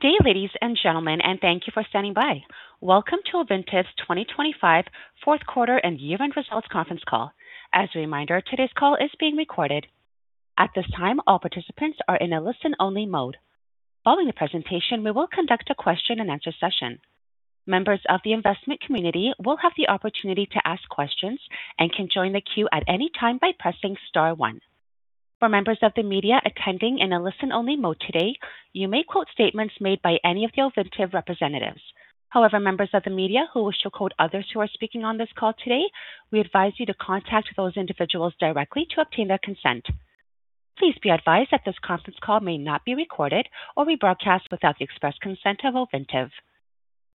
Good day, ladies and gentlemen, and thank you for standing by. Welcome to Ovintiv's 2025 fourth quarter and year-end results conference call. As a reminder, today's call is being recorded. At this time, all participants are in a listen-only mode. Following the presentation, we will conduct a question-and-answer session. Members of the investment community will have the opportunity to ask questions and can join the queue at any time by pressing star one. For members of the media attending in a listen-only mode today, you may quote statements made by any of the Ovintiv representatives. However, members of the media who wish to quote others who are speaking on this call today, we advise you to contact those individuals directly to obtain their consent. Please be advised that this conference call may not be recorded or rebroadcast without the express consent of Ovintiv.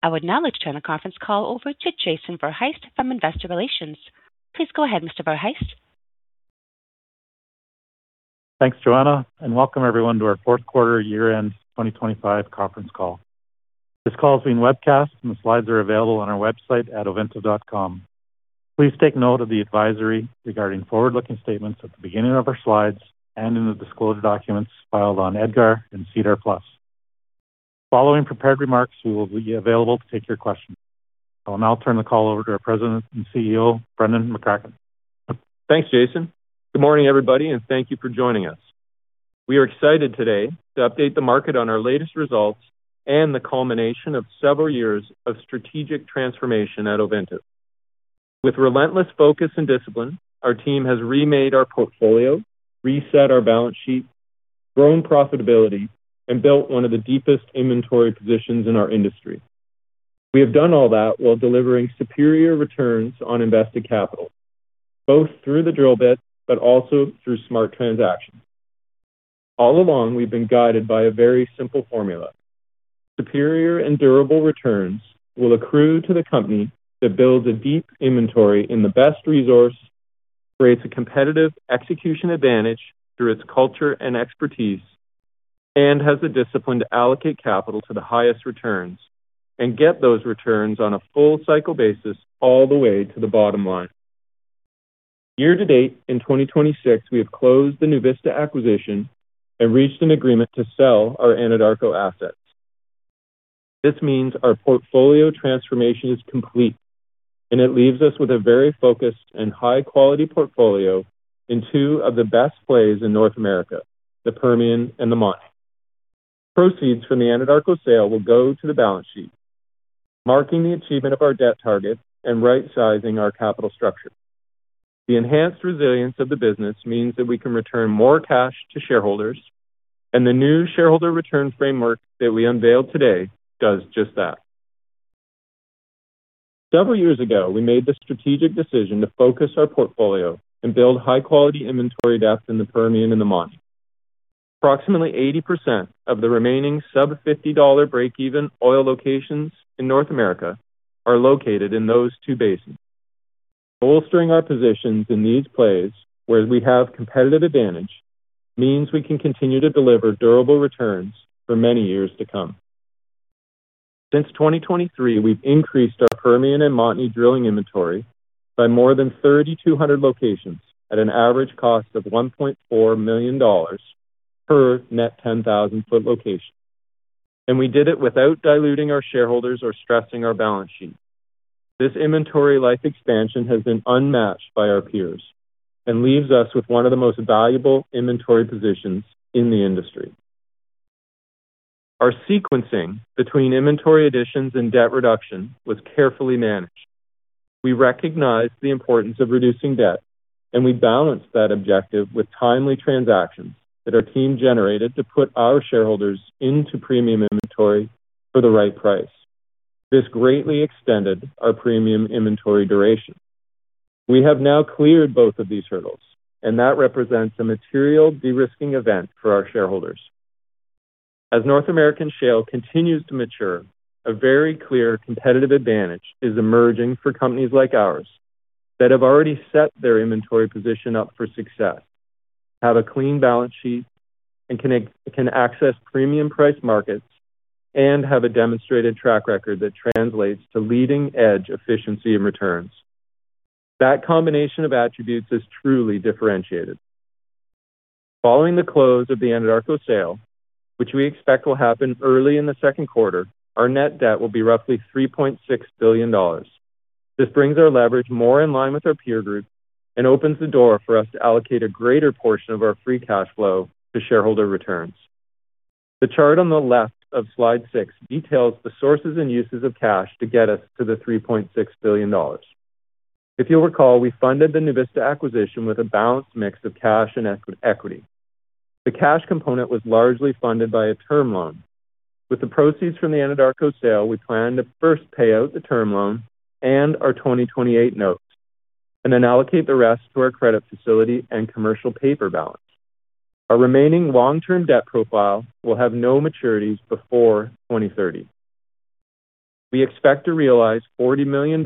I would now like to turn the conference call over to Jason Verhaest from Investor Relations. Please go ahead, Mr. Verhaest. Thanks, Joanna, welcome everyone to our fourth quarter year-end 2025 conference call. This call is being webcast. The slides are available on our website at ovintiv.com. Please take note of the advisory regarding forward-looking statements at the beginning of our slides and in the disclosure documents filed on EDGAR and SEDAR+. Following prepared remarks, we will be available to take your questions. I'll now turn the call over to our President and CEO, Brendan McCracken. Thanks, Jason. Good morning, everybody, and thank you for joining us. We are excited today to update the market on our latest results and the culmination of several years of strategic transformation at Ovintiv. With relentless focus and discipline, our team has remade our portfolio, reset our balance sheet, grown profitability, and built one of the deepest inventory positions in our industry. We have done all that while delivering superior returns on invested capital, both through the drill bit but also through smart transactions. All along, we've been guided by a very simple formula: superior and durable returns will accrue to the company that builds a deep inventory in the best resource, creates a competitive execution advantage through its culture and expertise, and has the discipline to allocate capital to the highest returns and get those returns on a full cycle basis all the way to the bottom line. Year to date, in 2026, we have closed the NuVista acquisition and reached an agreement to sell our Anadarko assets. This means our portfolio transformation is complete, and it leaves us with a very focused and high-quality portfolio in two of the best plays in North America, the Permian and the Montney. Proceeds from the Anadarko sale will go to the balance sheet, marking the achievement of our debt target and right-sizing our capital structure. The enhanced resilience of the business means that we can return more cash to shareholders, and the new shareholder return framework that we unveiled today does just that. Several years ago, we made the strategic decision to focus our portfolio and build high-quality inventory depth in the Permian and the Montney. Approximately 80% of the remaining sub $50 breakeven oil locations in North America are located in those two basins. Bolstering our positions in these plays, where we have competitive advantage, means we can continue to deliver durable returns for many years to come. Since 2023, we've increased our Permian and Montney drilling inventory by more than 3,200 locations at an average cost of $1.4 million per net 10,000 foot location, and we did it without diluting our shareholders or stressing our balance sheet. This inventory life expansion has been unmatched by our peers and leaves us with one of the most valuable inventory positions in the industry. Our sequencing between inventory additions and debt reduction was carefully managed. We recognized the importance of reducing debt, and we balanced that objective with timely transactions that our team generated to put our shareholders into premium inventory for the right price. This greatly extended our premium inventory duration. We have now cleared both of these hurdles, and that represents a material de-risking event for our shareholders. As North American shale continues to mature, a very clear competitive advantage is emerging for companies like ours that have already set their inventory position up for success, have a clean balance sheet and can access premium price markets, and have a demonstrated track record that translates to leading-edge efficiency and returns. That combination of attributes is truly differentiated. Following the close of the Anadarko sale, which we expect will happen early in the second quarter, our net debt will be roughly $3.6 billion. This brings our leverage more in line with our peer group and opens the door for us to allocate a greater portion of our free cash flow to shareholder returns. The chart on the left of slide 6 details the sources and uses of cash to get us to the $3.6 billion. If you'll recall, we funded the NuVista acquisition with a balanced mix of cash and equity. The cash component was largely funded by a term loan. With the proceeds from the Anadarko sale, we plan to first pay out the term loan and our 2028 notes and then allocate the rest to our credit facility and commercial paper balance. Our remaining long-term debt profile will have no maturities before 2030. We expect to realize $40 million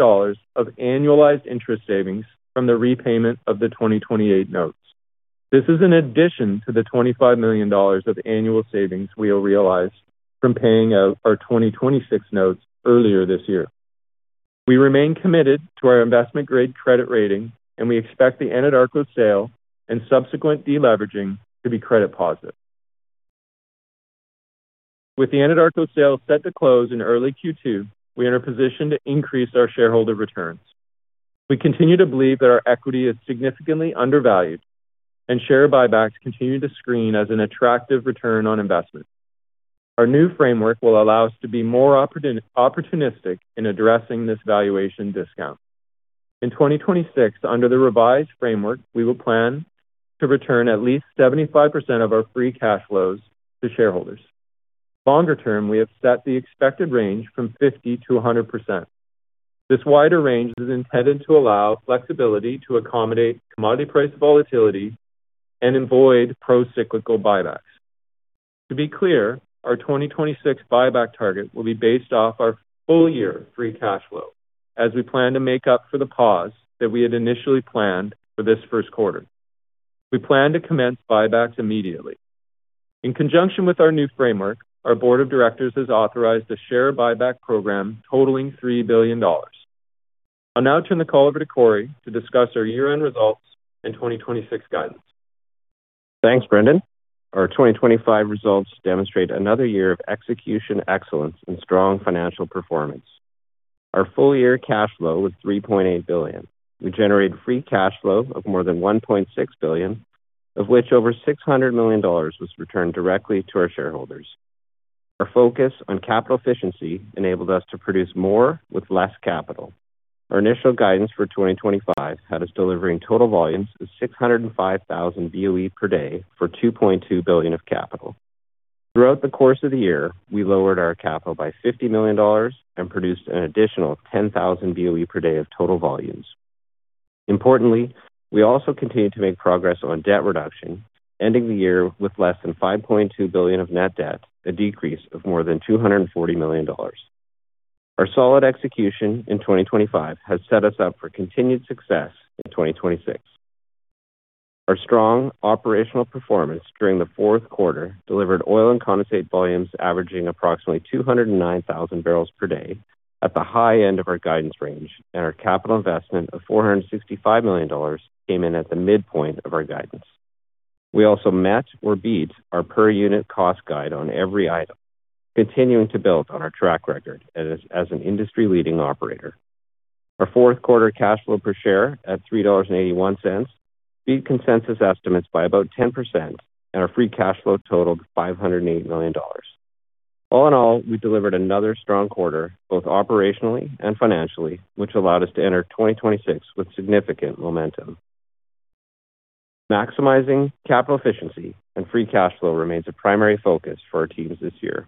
of annualized interest savings from the repayment of the 2028 notes. This is in addition to the $25 million of annual savings we will realize from paying out our 2026 notes earlier this year. We remain committed to our investment-grade credit rating, we expect the Anadarko sale and subsequent deleveraging to be credit positive. With the Anadarko sale set to close in early Q2, we are in a position to increase our shareholder returns. We continue to believe that our equity is significantly undervalued, share buybacks continue to screen as an attractive return on investment. Our new framework will allow us to be more opportunistic in addressing this valuation discount. In 2026, under the revised framework, we will plan to return at least 75% of our free cash flows to shareholders. Longer term, we have set the expected range from 50%-100%. This wider range is intended to allow flexibility to accommodate commodity price volatility and avoid pro-cyclical buybacks. To be clear, our 2026 buyback target will be based off our full-year free cash flow as we plan to make up for the pause that we had initially planned for this first quarter. We plan to commence buybacks immediately. In conjunction with our new framework, our board of directors has authorized a share buyback program totaling $3 billion. I'll now turn the call over to Corey to discuss our year-end results and 2026 guidance. Thanks, Brendan. Our 2025 results demonstrate another year of execution excellence and strong financial performance. Our full-year cash flow was $3.8 billion. We generated free cash flow of more than $1.6 billion, of which over $600 million was returned directly to our shareholders. Our focus on capital efficiency enabled us to produce more with less capital. Our initial guidance for 2025 had us delivering total volumes of 605,000 BOE per day for $2.2 billion of capital. Throughout the course of the year, we lowered our capital by $50 million and produced an additional 10,000 BOE per day of total volumes. Importantly, we also continued to make progress on debt reduction, ending the year with less than $5.2 billion of net debt, a decrease of more than $240 million. Our solid execution in 2025 has set us up for continued success in 2026. Our strong operational performance during the fourth quarter delivered oil and condensate volumes averaging approximately 209,000 bbl per day at the high end of our guidance range, and our capital investment of $465 million came in at the midpoint of our guidance. We also matched or beat our per-unit cost guide on every item, continuing to build on our track record as an industry-leading operator. Our fourth quarter cash flow per share at $3.81 beat consensus estimates by about 10%, and our free cash flow totaled $508 million. All in all, we delivered another strong quarter, both operationally and financially, which allowed us to enter 2026 with significant momentum. Maximizing capital efficiency and free cash flow remains a primary focus for our teams this year.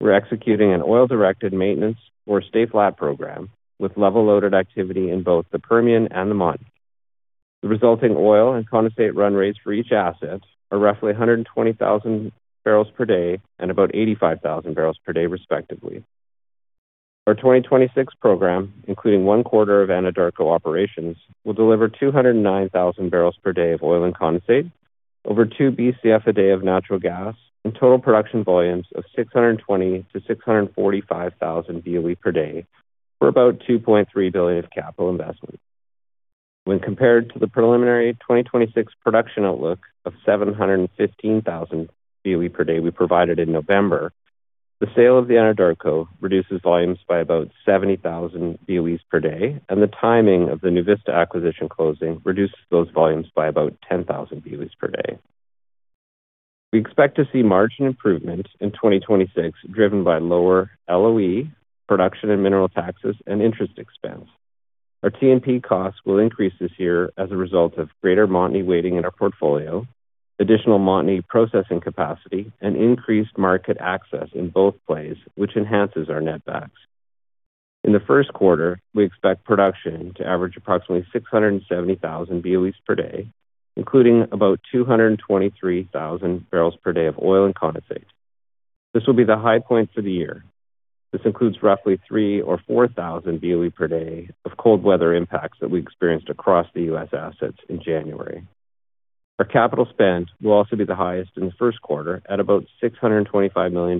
We're executing an oil-directed maintenance or stay flat program with level-loaded activity in both the Permian and the Montney. The resulting oil and condensate run rates for each asset are roughly 120,000 barrels per day and about 85,000 barrels per day, respectively. Our 2026 program, including one quarter of Anadarko operations, will deliver 209,000 barrels per day of oil and condensate over 2 Bcf a day of natural gas and total production volumes of 620,000-645,000 BOE per day for about $2.3 billion of capital investment. When compared to the preliminary 2026 production outlook of 715,000 BOE per day we provided in November, the sale of the Anadarko reduces volumes by about 70,000 BOEs per day, and the timing of the NuVista acquisition closing reduces those volumes by about 10,000 BOEs per day. We expect to see margin improvement in 2026, driven by lower LOE, production and mineral taxes, and interest expense. Our T&P costs will increase this year as a result of greater Montney weighting in our portfolio, additional Montney processing capacity, and increased market access in both plays, which enhances our netbacks. In the first quarter, we expect production to average approximately 670,000 BOEs per day, including about 223,000 barrels per day of oil and condensate. This will be the high point for the year. This includes roughly 3,000 or 4,000 BOE per day of cold weather impacts that we experienced across the U.S. assets in January. Our capital spend will also be the highest in the first quarter at about $625 million,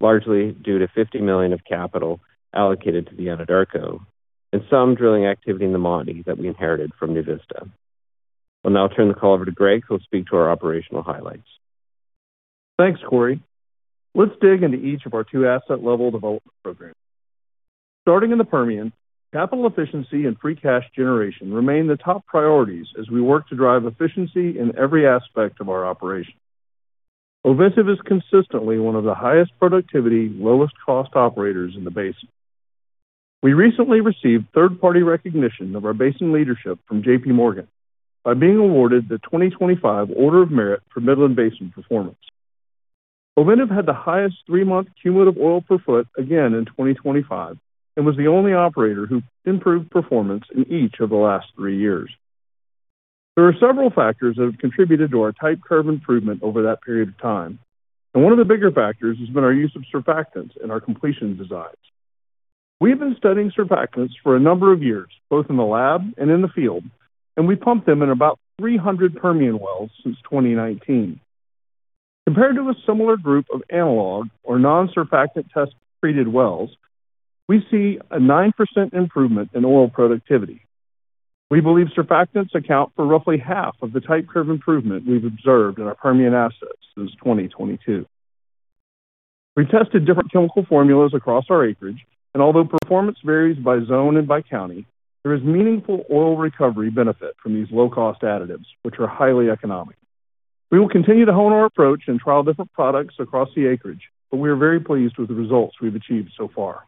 largely due to $50 million of capital allocated to the Anadarko and some drilling activity in the Montney that we inherited from NuVista. I'll now turn the call over to Greg, who will speak to our operational highlights. Thanks, Corey. Let's dig into each of our two asset-level development programs. Starting in the Permian, capital efficiency and free cash generation remain the top priorities as we work to drive efficiency in every aspect of our operation. Ovintiv is consistently one of the highest productivity, lowest-cost operators in the basin. We recently received third-party recognition of our basin leadership from JPMorgan by being awarded the 2025 Order of Merit for Midland Basin Performance. Ovintiv had the highest three-month cumulative oil per foot again in 2025 and was the only operator who improved performance in each of the last three years. There are several factors that have contributed to our type curve improvement over that period of time, and one of the bigger factors has been our use of surfactants in our completion designs. We have been studying surfactants for a number of years, both in the lab and in the field. We pumped them in about 300 Permian wells since 2019. Compared to a similar group of analog or non-surfactant test treated wells, we see a 9% improvement in oil productivity. We believe surfactants account for roughly half of the type curve improvement we've observed in our Permian assets since 2022. We tested different chemical formulas across our acreage. Although performance varies by zone and by county, there is meaningful oil recovery benefit from these low-cost additives, which are highly economic. We will continue to hone our approach and trial different products across the acreage. We are very pleased with the results we've achieved so far.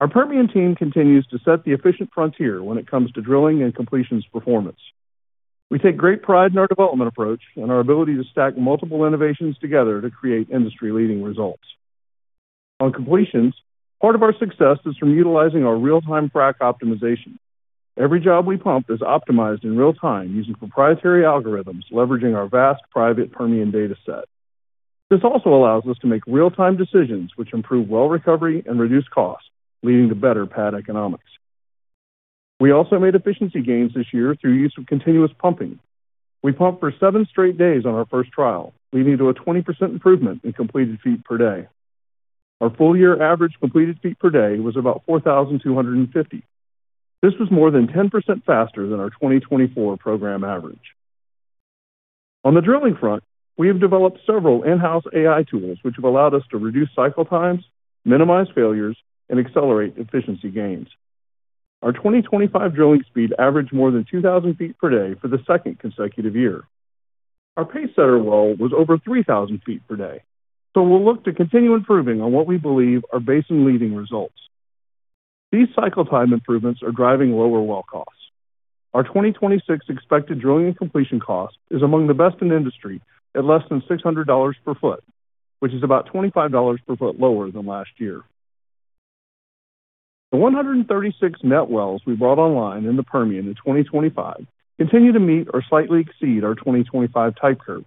Our Permian team continues to set the efficient frontier when it comes to drilling and completions performance. On completions, part of our success is from utilizing our real-time frac optimization. Every job we pump is optimized in real time using proprietary algorithms, leveraging our vast private Permian data set. This also allows us to make real-time decisions which improve well recovery and reduce costs, leading to better pad economics. We also made efficiency gains this year through use of continuous pumping. We pumped for 7 straight days on our first trial, leading to a 20% improvement in completed feet per day. Our full year average completed feet per day was about 4,250. This was more than 10% faster than our 2024 program average. On the drilling front, we have developed several in-house AI tools which have allowed us to reduce cycle times, minimize failures, and accelerate efficiency gains. Our 2025 drilling speed averaged more than 2,000 ft per day for the second consecutive year. Our pacesetter well was over 3,000 ft per day, so we'll look to continue improving on what we believe are basin-leading results. These cycle time improvements are driving lower well costs. Our 2026 expected drilling and completion cost is among the best in the industry, at less than $600 per foot, which is about $25 per foot lower than last year. The 136 net wells we brought online in the Permian in 2025 continue to meet or slightly exceed our 2025 type curve.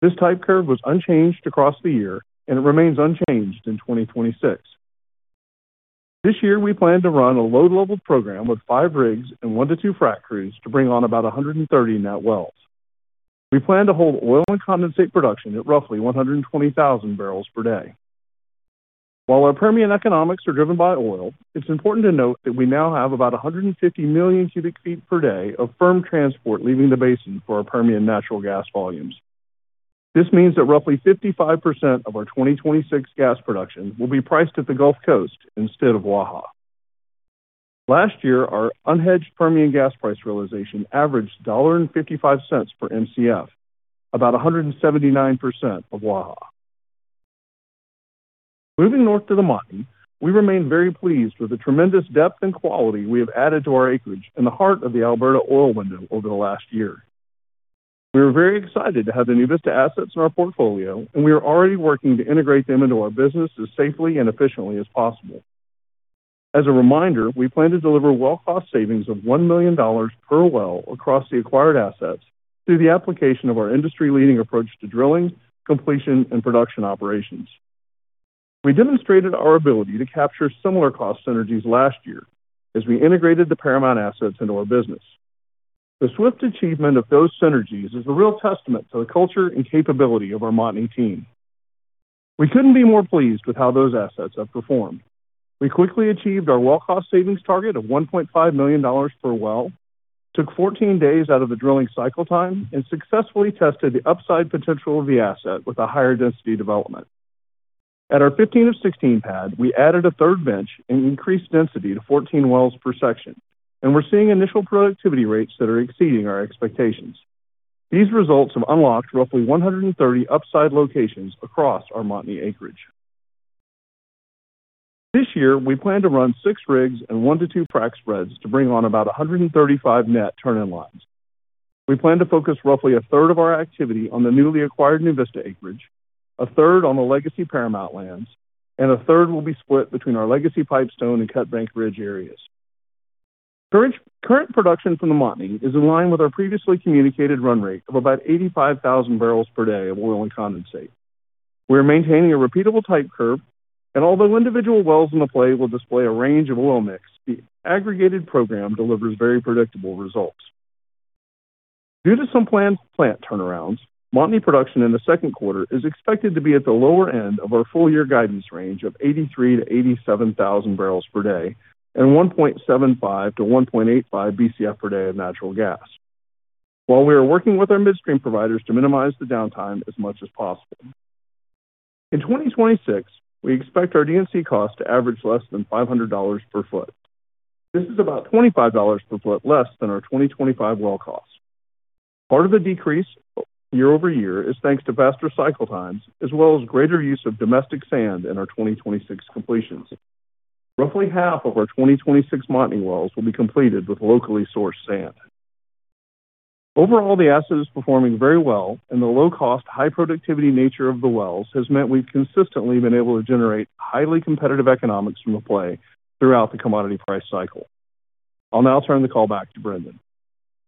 This type curve was unchanged across the year, and it remains unchanged in 2026. This year, we plan to run a low-level program with five rigs and one to two frac crews to bring on about 130 net wells. We plan to hold oil and condensate production at roughly 120,000 bbl per day. While our Permian economics are driven by oil, it's important to note that we now have about 150 million cubic feet per day of firm transport, leaving the basin for our Permian natural gas volumes. This means that roughly 55% of our 2026 gas production will be priced at the Gulf Coast instead of Waha. Last year, our unhedged Permian gas price realization averaged $1.55 per Mcf, about 179% of Waha. Moving north to the Montney, we remain very pleased with the tremendous depth and quality we have added to our acreage in the heart of the Alberta oil window over the last year. We are very excited to have the NuVista assets in our portfolio, and we are already working to integrate them into our business as safely and efficiently as possible. As a reminder, we plan to deliver well cost savings of $1 million per well across the acquired assets through the application of our industry-leading approach to drilling, completion, and production operations. We demonstrated our ability to capture similar cost synergies last year as we integrated the Paramount assets into our business. The swift achievement of those synergies is a real testament to the culture and capability of our Montney team. We couldn't be more pleased with how those assets have performed. We quickly achieved our well cost savings target of $1.5 million per well, took 14 days out of the drilling cycle time, successfully tested the upside potential of the asset with a higher density development. At our 15 of 16 pad, we added a third bench and increased density to 14 wells per section, we're seeing initial productivity rates that are exceeding our expectations. These results have unlocked roughly 130 upside locations across our Montney acreage. This year, we plan to run 6 rigs and 1 to 2 frac spreads to bring on about 135 net turn-in-lines. We plan to focus roughly a third of our activity on the newly acquired NuVista acreage, a third on the legacy Paramount lands, a third will be split between our legacy Pipestone and Cutbank Ridge areas. Current production from the Montney is in line with our previously communicated run rate of about 85,000 bbl per day of oil and condensate. We are maintaining a repeatable type curve. Although individual wells in the play will display a range of oil mix, the aggregated program delivers very predictable results. Due to some planned plant turnarounds, Montney production in the second quarter is expected to be at the lower end of our full year guidance range of 83,000-87,000 bbl per day and 1.75-1.85 Bcf per day of natural gas. We are working with our midstream providers to minimize the downtime as much as possible. In 2026, we expect our D&C cost to average less than $500 per foot. This is about $25 per foot less than our 2025 well cost. Part of the decrease year-over-year is thanks to faster cycle times, as well as greater use of domestic sand in our 2026 completions. Roughly half of our 2026 Montney wells will be completed with locally sourced sand. Overall, the asset is performing very well, and the low-cost, high-productivity nature of the wells has meant we've consistently been able to generate highly competitive economics from the play throughout the commodity price cycle. I'll now turn the call back to Brendan.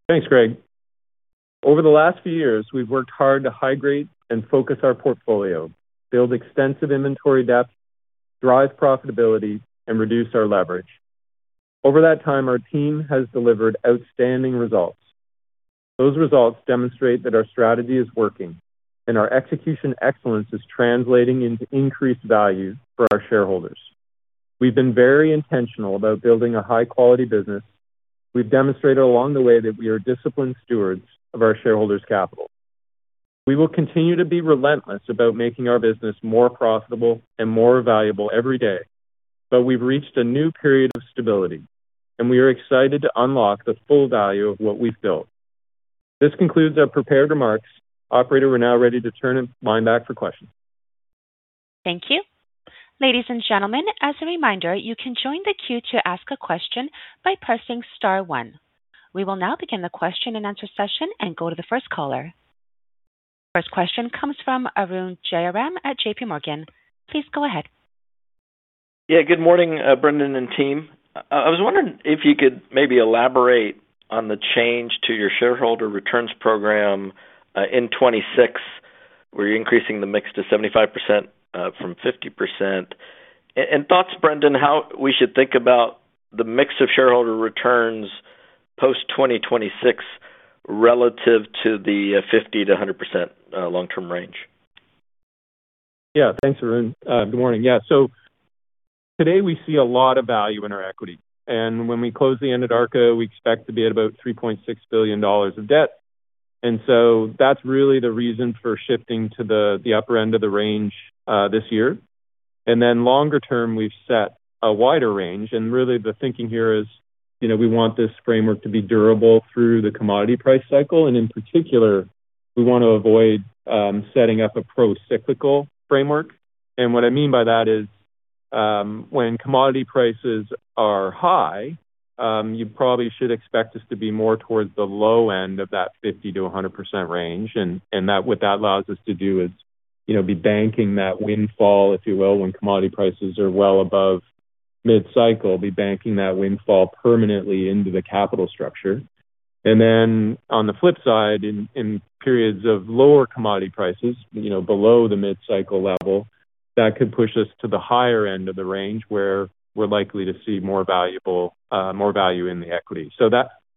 Thanks, Greg. Over the last few years, we've worked hard to high-grade and focus our portfolio, build extensive inventory depth, drive profitability, and reduce our leverage. Over that time, our team has delivered outstanding results. Those results demonstrate that our strategy is working, and our execution excellence is translating into increased value for our shareholders. We've been very intentional about building a high quality business. We've demonstrated along the way that we are disciplined stewards of our shareholders' capital. We will continue to be relentless about making our business more profitable and more valuable every day. We've reached a new period of stability, and we are excited to unlock the full value of what we've built. This concludes our prepared remarks. Operator, we're now ready to turn the line back for questions. Thank you. Ladies and gentlemen, as a reminder, you can join the queue to ask a question by pressing star one. We will now begin the question and answer session and go to the first caller. First question comes from Arun Jayaram at JPMorgan. Please go ahead. Yeah, good morning, Brendan and team. I was wondering if you could maybe elaborate on the change to your shareholder returns program in 2026, where you're increasing the mix to 75% from 50%. Thoughts, Brendan, how we should think about the mix of shareholder returns post 2026 relative to the 50%-100% long term range? Thanks, Arun. Good morning. Today we see a lot of value in our equity, and when we close the Anadarko, we expect to be at about $3.6 billion of debt. That's really the reason for shifting to the upper end of the range this year. Longer term, we've set a wider range. Really, the thinking here is, you know, we want this framework to be durable through the commodity price cycle, and in particular, we want to avoid setting up a procyclical framework. What I mean by that is, when commodity prices are high, you probably should expect us to be more towards the low end of that 50%-100% range. That, what that allows us to do is, you know, be banking that windfall, if you will, when commodity prices are well above mid-cycle, be banking that windfall permanently into the capital structure. Then on the flip side, in periods of lower commodity prices, you know, below the mid-cycle level, that could push us to the higher end of the range, where we're likely to see more valuable, more value in the equity.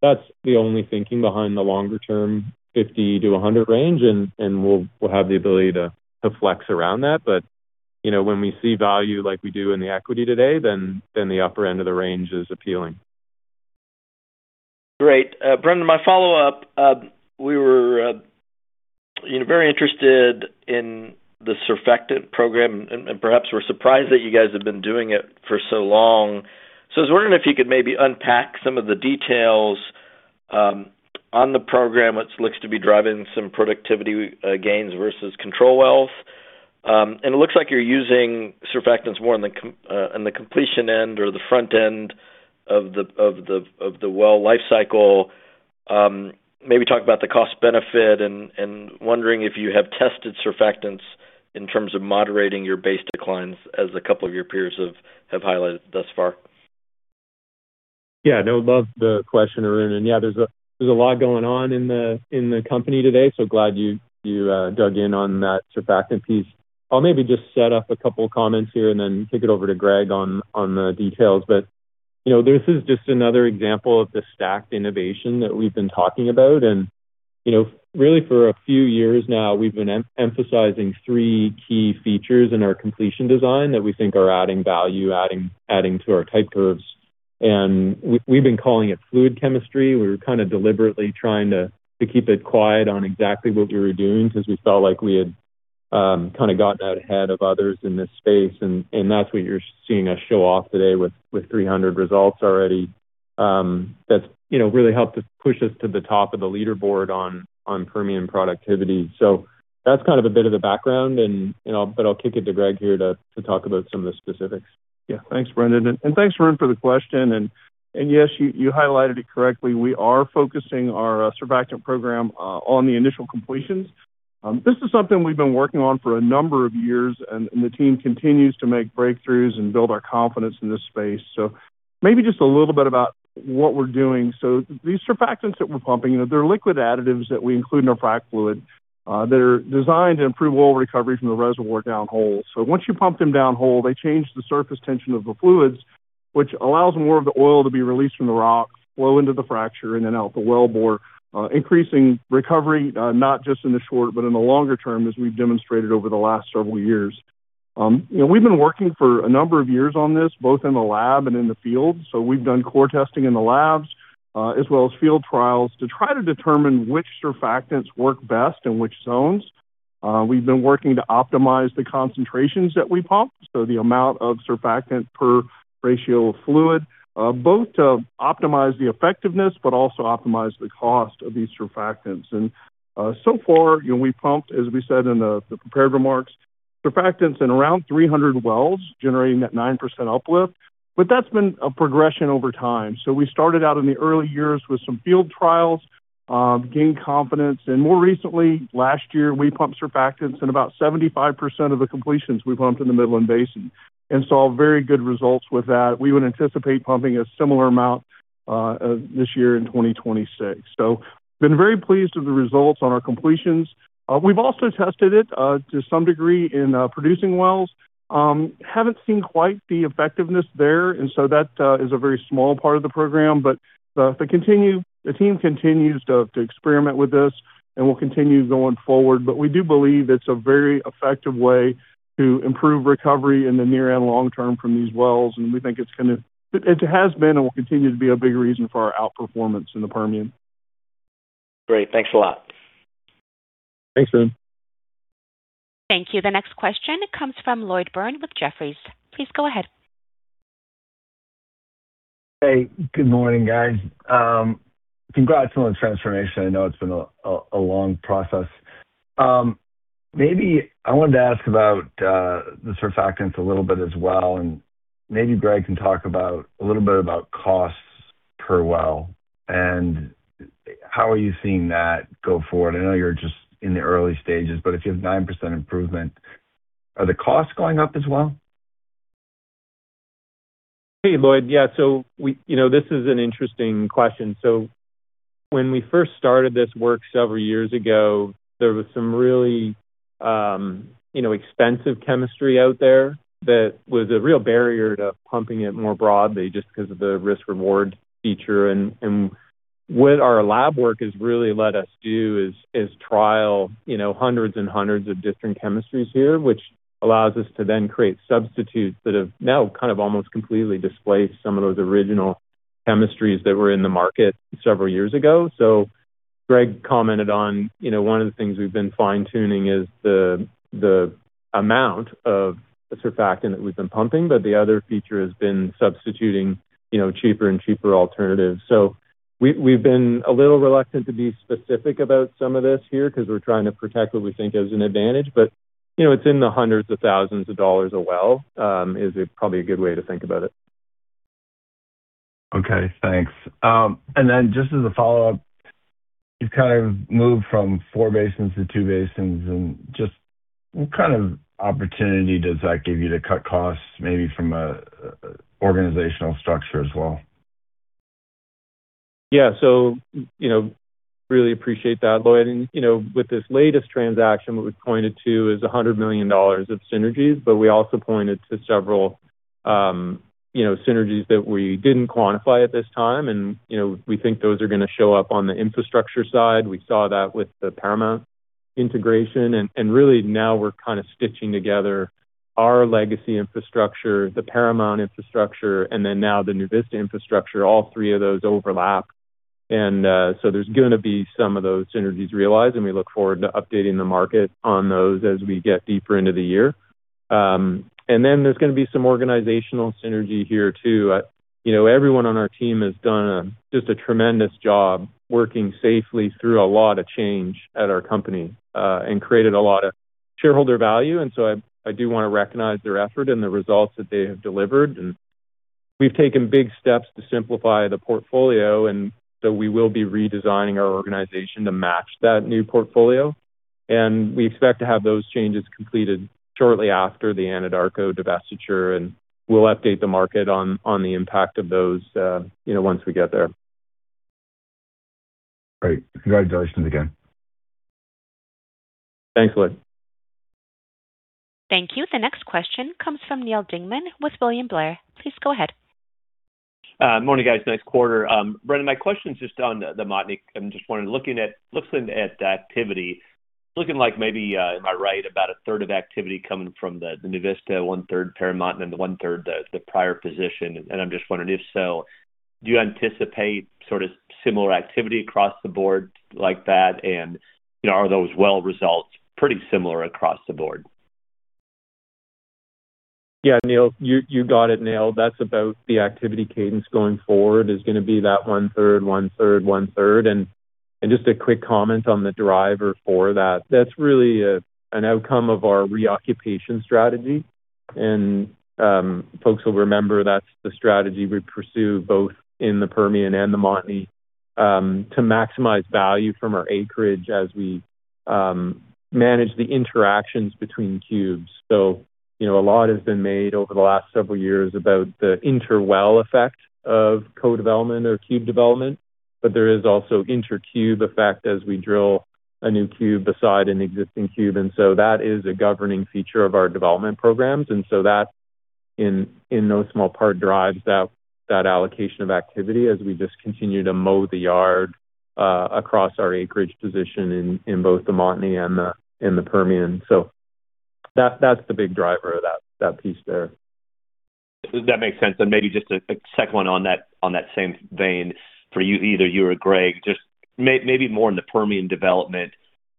That's the only thinking behind the longer term, 50-100 range, and we'll have the ability to flex around that. You know, when we see value like we do in the equity today, then the upper end of the range is appealing. Great. Brendan, my follow-up, we were, you know, very interested in the surfactant program, perhaps we're surprised that you guys have been doing it for so long. I was wondering if you could maybe unpack some of the details on the program, which looks to be driving some productivity gains versus control wells. It looks like you're using surfactants more on the completion end or the front end of the well lifecycle. Maybe talk about the cost benefit wondering if you have tested surfactants in terms of moderating your base declines, as a couple of your peers have highlighted thus far. No, love the question, Arun. There's a lot going on in the company today, glad you dug in on that surfactant piece. I'll maybe just set up a couple of comments here and then kick it over to Greg on the details. You know, this is just another example of the stacked innovation that we've been talking about. You know, really, for a few years now, we've been emphasizing three key features in our completion design that we think are adding value, adding to our type curves, and we've been calling it fluid chemistry. We were kind of deliberately trying to keep it quiet on exactly what we were doing since we felt like we had kind of gotten out ahead of others in this space. That's what you're seeing us show off today with 300 results already. That's, you know, really helped us push us to the top of the leaderboard on Permian productivity. That's kind of a bit of the background, and, you know, but I'll kick it to Greg here to talk about some of the specifics. Yeah. Thanks, Brendan, and thanks, Arun, for the question. Yes, you highlighted it correctly. We are focusing our surfactant program on the initial completions. This is something we've been working on for a number of years, and the team continues to make breakthroughs and build our confidence in this space. Maybe just a little bit about what we're doing. These surfactants that we're pumping, they're liquid additives that we include in our frack fluid, that are designed to improve oil recovery from the reservoir downhole. Once you pump them downhole, they change the surface tension of the fluids, which allows more of the oil to be released from the rock, flow into the fracture and then out the wellbore, increasing recovery, not just in the short, but in the longer term, as we've demonstrated over the last several years. You know, we've been working for a number of years on this, both in the lab and in the field. We've done core testing in the labs, as well as field trials, to try to determine which surfactants work best in which zones. We've been working to optimize the concentrations that we pump, so the amount of surfactant per ratio of fluid, both to optimize the effectiveness but also optimize the cost of these surfactants. So far, you know, we pumped, as we said in the prepared remarks, surfactants in around 300 wells, generating that 9% uplift, but that's been a progression over time. We started out in the early years with some field trials, gained confidence, and more recently, last year, we pumped surfactants, and about 75% of the completions we pumped in the Midland Basin and saw very good results with that. We would anticipate pumping a similar amount this year in 2026. Been very pleased with the results on our completions. We've also tested it to some degree in producing wells. Haven't seen quite the effectiveness there, and so that is a very small part of the program. The team continues to experiment with this and will continue going forward. We do believe it's a very effective way to improve recovery in the near and long term from these wells, and we think it has been and will continue to be a big reason for our outperformance in the Permian. Great. Thanks a lot. Thanks, Ben. Thank you. The next question comes from Lloyd Byrne with Jefferies. Please go ahead. Hey, good morning, guys. Congrats on the transformation. I know it's been a long process. Maybe I wanted to ask about the surfactants a little bit as well, and maybe Greg can talk about a little bit about costs per well, and how are you seeing that go forward? I know you're just in the early stages, but if you have 9% improvement, are the costs going up as well? Hey, Lloyd. Yeah, we, you know, this is an interesting question. When we first started this work several years ago, there was some really, you know, expensive chemistry out there that was a real barrier to pumping it more broadly just because of the risk-reward feature. What our lab work has really let us do is trial, you know, hundreds and hundreds of different chemistries here, which allows us to then create substitutes that have now kind of almost completely displaced some of those original chemistries that were in the market several years ago. Greg commented on, you know, one of the things we've been fine-tuning is the amount of surfactant that we've been pumping. The other feature has been substituting, you know, cheaper and cheaper alternatives. We've been a little reluctant to be specific about some of this here because we're trying to protect what we think is an advantage, but, you know, it's in the hundreds of thousands of dollars a well, is a probably a good way to think about it. Okay, thanks. Just as a follow-up, you've kind of moved from four basins to two basins, what kind of opportunity does that give you to cut costs, maybe from a organizational structure as well? Yeah. You know, really appreciate that, Lloyd. You know, with this latest transaction, what we've pointed to is $100 million of synergies, but we also pointed to several, you know, synergies that we didn't quantify at this time. You know, we think those are gonna show up on the infrastructure side. We saw that with the Paramount integration. Really now we're kind of stitching together our legacy infrastructure, the Paramount infrastructure, and then now the NuVista infrastructure. All three of those overlap, there's gonna be some of those synergies realized, and we look forward to updating the market on those as we get deeper into the year. Then there's gonna be some organizational synergy here, too. You know, everyone on our team has done a tremendous job working safely through a lot of change at our company, and created a lot of shareholder value, and so I do want to recognize their effort and the results that they have delivered. We've taken big steps to simplify the portfolio, and so we will be redesigning our organization to match that new portfolio. We expect to have those changes completed shortly after the Anadarko divestiture, and we'll update the market on the impact of those, you know, once we get there. Great. Congratulations again. Thanks, Lloyd. Thank you. The next question comes from Neal Dingmann with William Blair. Please go ahead. Morning, guys. Nice quarter. Brendan, my question is just on the Montney. I'm just wondering, looking at the activity, looking like maybe, am I right, about a third of activity coming from the NuVista, one third Paramount, and then the one third, the prior position. I'm just wondering, if so, do you anticipate sort of similar activity across the board like that? You know, are those well results pretty similar across the board? Yeah, Neal, you got it nailed. That's about the activity cadence going forward is gonna be that one third, one third, one third. Just a quick comment on the driver for that. That's really an outcome of our reoccupation strategy. Folks will remember that's the strategy we pursue both in the Permian and the Montney to maximize value from our acreage as we manage the interactions between cubes. You know, a lot has been made over the last several years about the interwell effect of co-development or cube development, but there is also intercube effect as we drill a new cube beside an existing cube. That is a governing feature of our development programs. That, in no small part, drives that allocation of activity as we just continue to mow the yard, across our acreage position in both the Montney and the Permian. That's the big driver of that piece there. That makes sense. Maybe just a second one on that, on that same vein for you, either you or Greg, just maybe more in the Permian development.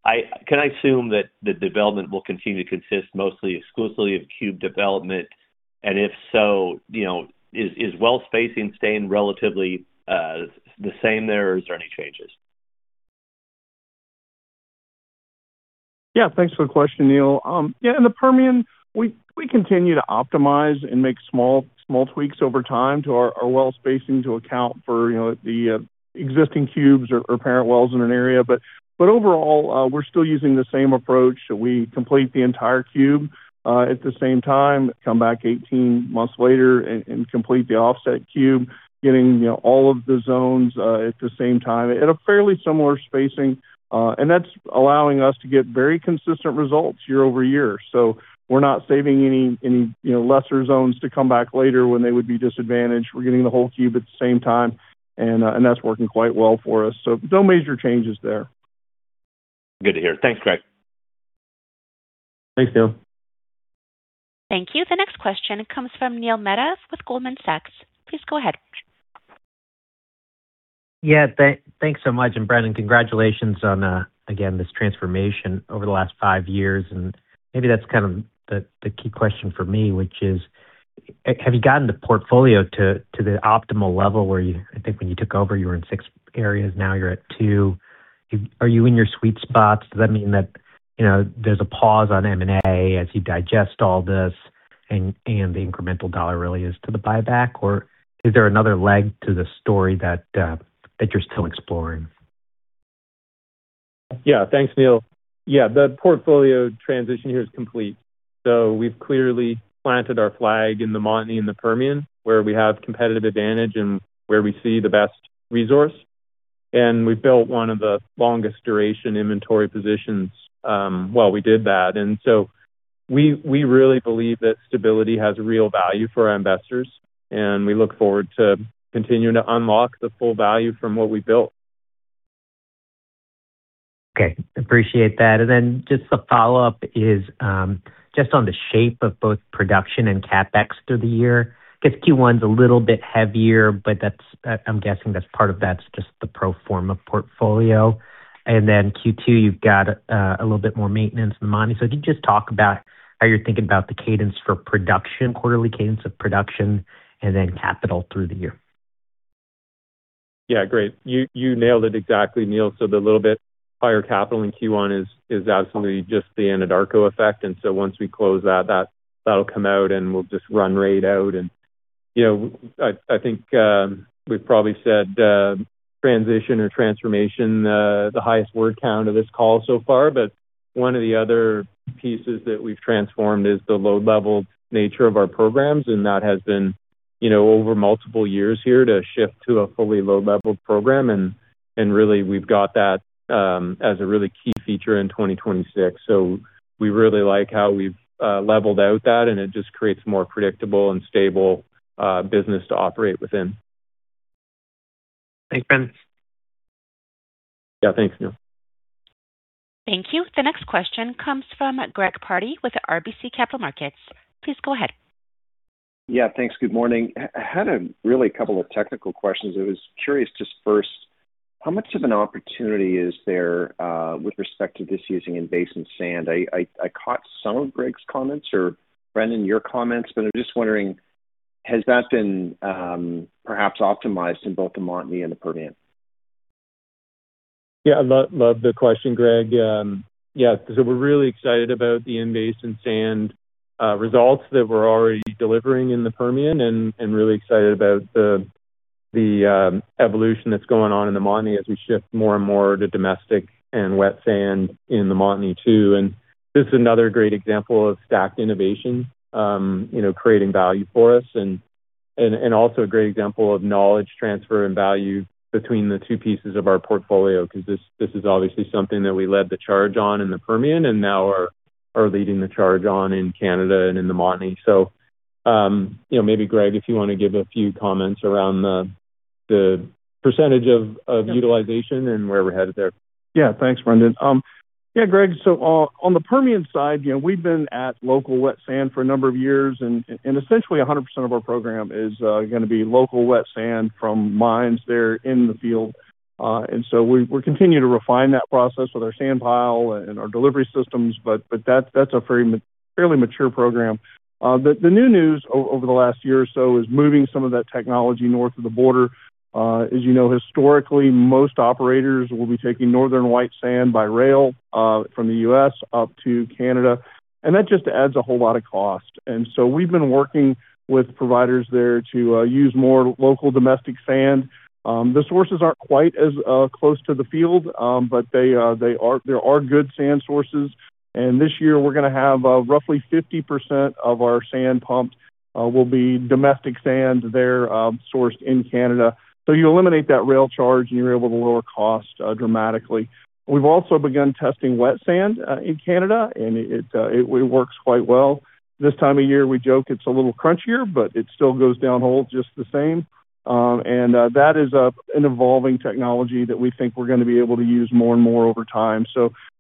Can I assume that the development will continue to consist mostly exclusively of cube development? If so, you know, is well spacing staying relatively the same there, or is there any changes? Yeah. Thanks for the question, Neil. In the Permian, we continue to optimize and make small tweaks over time to our well spacing to account for, you know, the existing cubes or parent wells in an area. Overall, we're still using the same approach. We complete the entire cube at the same time, come back 18 months later and complete the offset cube, getting, you know, all of the zones at the same time at a fairly similar spacing. That's allowing us to get very consistent results year-over-year. We're not saving any, you know, lesser zones to come back later when they would be disadvantaged. We're getting the whole cube at the same time, and that's working quite well for us. No major changes there. Good to hear. Thanks, Greg. Thanks, Neil. Thank you. The next question comes from Neil Mehta with Goldman Sachs. Please go ahead. Yeah, thanks so much, and Brendan, congratulations on again, this transformation over the last five years, and maybe that's kind of the key question for me, which is: Have you gotten the portfolio to the optimal level where I think when you took over, you were in six areas, now you're at two. Are you in your sweet spot? Does that mean that, you know, there's a pause on M&A as you digest all this, and the incremental dollar really is to the buyback, or is there another leg to the story that you're still exploring? Thanks, Neil. The portfolio transition here is complete. We've clearly planted our flag in the Montney in the Permian, where we have competitive advantage and where we see the best resource. We've built one of the longest duration inventory positions while we did that. We really believe that stability has real value for our investors, and we look forward to continuing to unlock the full value from what we built. Okay, appreciate that. Just a follow-up is, just on the shape of both production and CapEx through the year. I guess Q1's a little bit heavier, but that's, I'm guessing that's part of that's just the pro forma portfolio. Q2, you've got a little bit more maintenance in mind. Can you just talk about how you're thinking about the cadence for production, quarterly cadence of production and then capital through the year? Yeah, great. You nailed it exactly, Neal. The little bit higher capital in Q1 is absolutely just the Anadarko effect. Once we close that'll come out, and we'll just run rate out. You know, I think we've probably said transition or transformation the highest word count of this call so far, but one of the other pieces that we've transformed is the load-level nature of our programs, and that has been, you know, over multiple years here to shift to a fully load-leveled program. Really, we've got that as a really key feature in 2026. We really like how we've leveled out that, and it just creates more predictable and stable business to operate within. Thanks, Brendan. Yeah. Thanks, Neil. Thank you. The next question comes from Greg Pardy with RBC Capital Markets. Please go ahead. Yeah, thanks. Good morning. I had a really couple of technical questions. I was curious, just first, how much of an opportunity is there with respect to this using in-basin sand? I caught some of Greg's comments or Brendan, your comments, but I'm just wondering, has that been perhaps optimized in both the Montney and the Permian? Yeah, love the question, Greg. Yeah, we're really excited about the in-basin sand results that we're already delivering in the Permian and really excited about the evolution that's going on in the Montney as we shift more and more to domestic and wet sand in the Montney, too. This is another great example of stacked innovation, you know, creating value for us and also a great example of knowledge transfer and value between the two pieces of our portfolio, because this is obviously something that we led the charge on in the Permian and now are leading the charge on in Canada and in the Montney. You know, maybe, Greg, if you wanna give a few comments around the percentage of utilization and where we're headed there. Yeah. Thanks, Brendan. Yeah, Greg, so on the Permian side, you know, we've been at local wet sand for a number of years, and essentially 100% of our program is gonna be local wet sand from mines there in the field. We're continuing to refine that process with our sand pile and our delivery systems, but that's a very fairly mature program. The new news over the last year or so is moving some of that technology north of the border. As you know, historically, most operators will be taking Northern White sand by rail from the U.S. up to Canada, and that just adds a whole lot of cost. We've been working with providers there to use more local domestic sand. The sources aren't quite as close to the field, there are good sand sources. This year, we're gonna have roughly 50% of our sand pumped will be domestic sand there, sourced in Canada. You eliminate that rail charge, and you're able to lower cost dramatically. We've also begun testing wet sand in Canada, and it works quite well. This time of year, we joke it's a little crunchier, but it still goes down whole, just the same. That is an evolving technology that we think we're gonna be able to use more and more over time.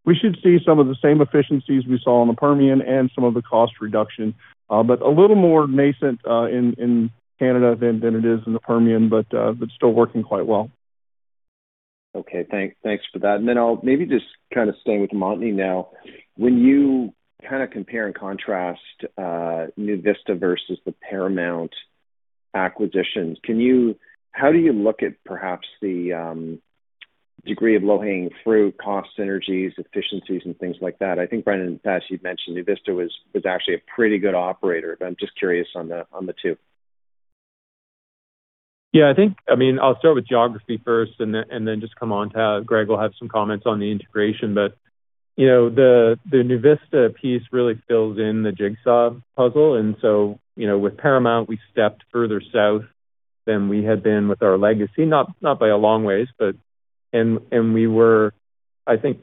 We should see some of the same efficiencies we saw in the Permian and some of the cost reduction, but a little more nascent in Canada than it is in the Permian, but still working quite well. Okay. Thanks for that. Then I'll maybe just kind of stay with Montney now. When you kind of compare and contrast NuVista versus the Paramount acquisitions, how do you look at perhaps the degree of low-hanging fruit, cost synergies, efficiencies, and things like that? I think, Brendan, as you've mentioned, NuVista was actually a pretty good operator, but I'm just curious on the two. Yeah, I think, I mean, I'll start with geography first and then Greg will have some comments on the integration. The NuVista piece really fills in the jigsaw puzzle. With Paramount, we stepped further south than we had been with our legacy, not by a long ways. And we were, I think,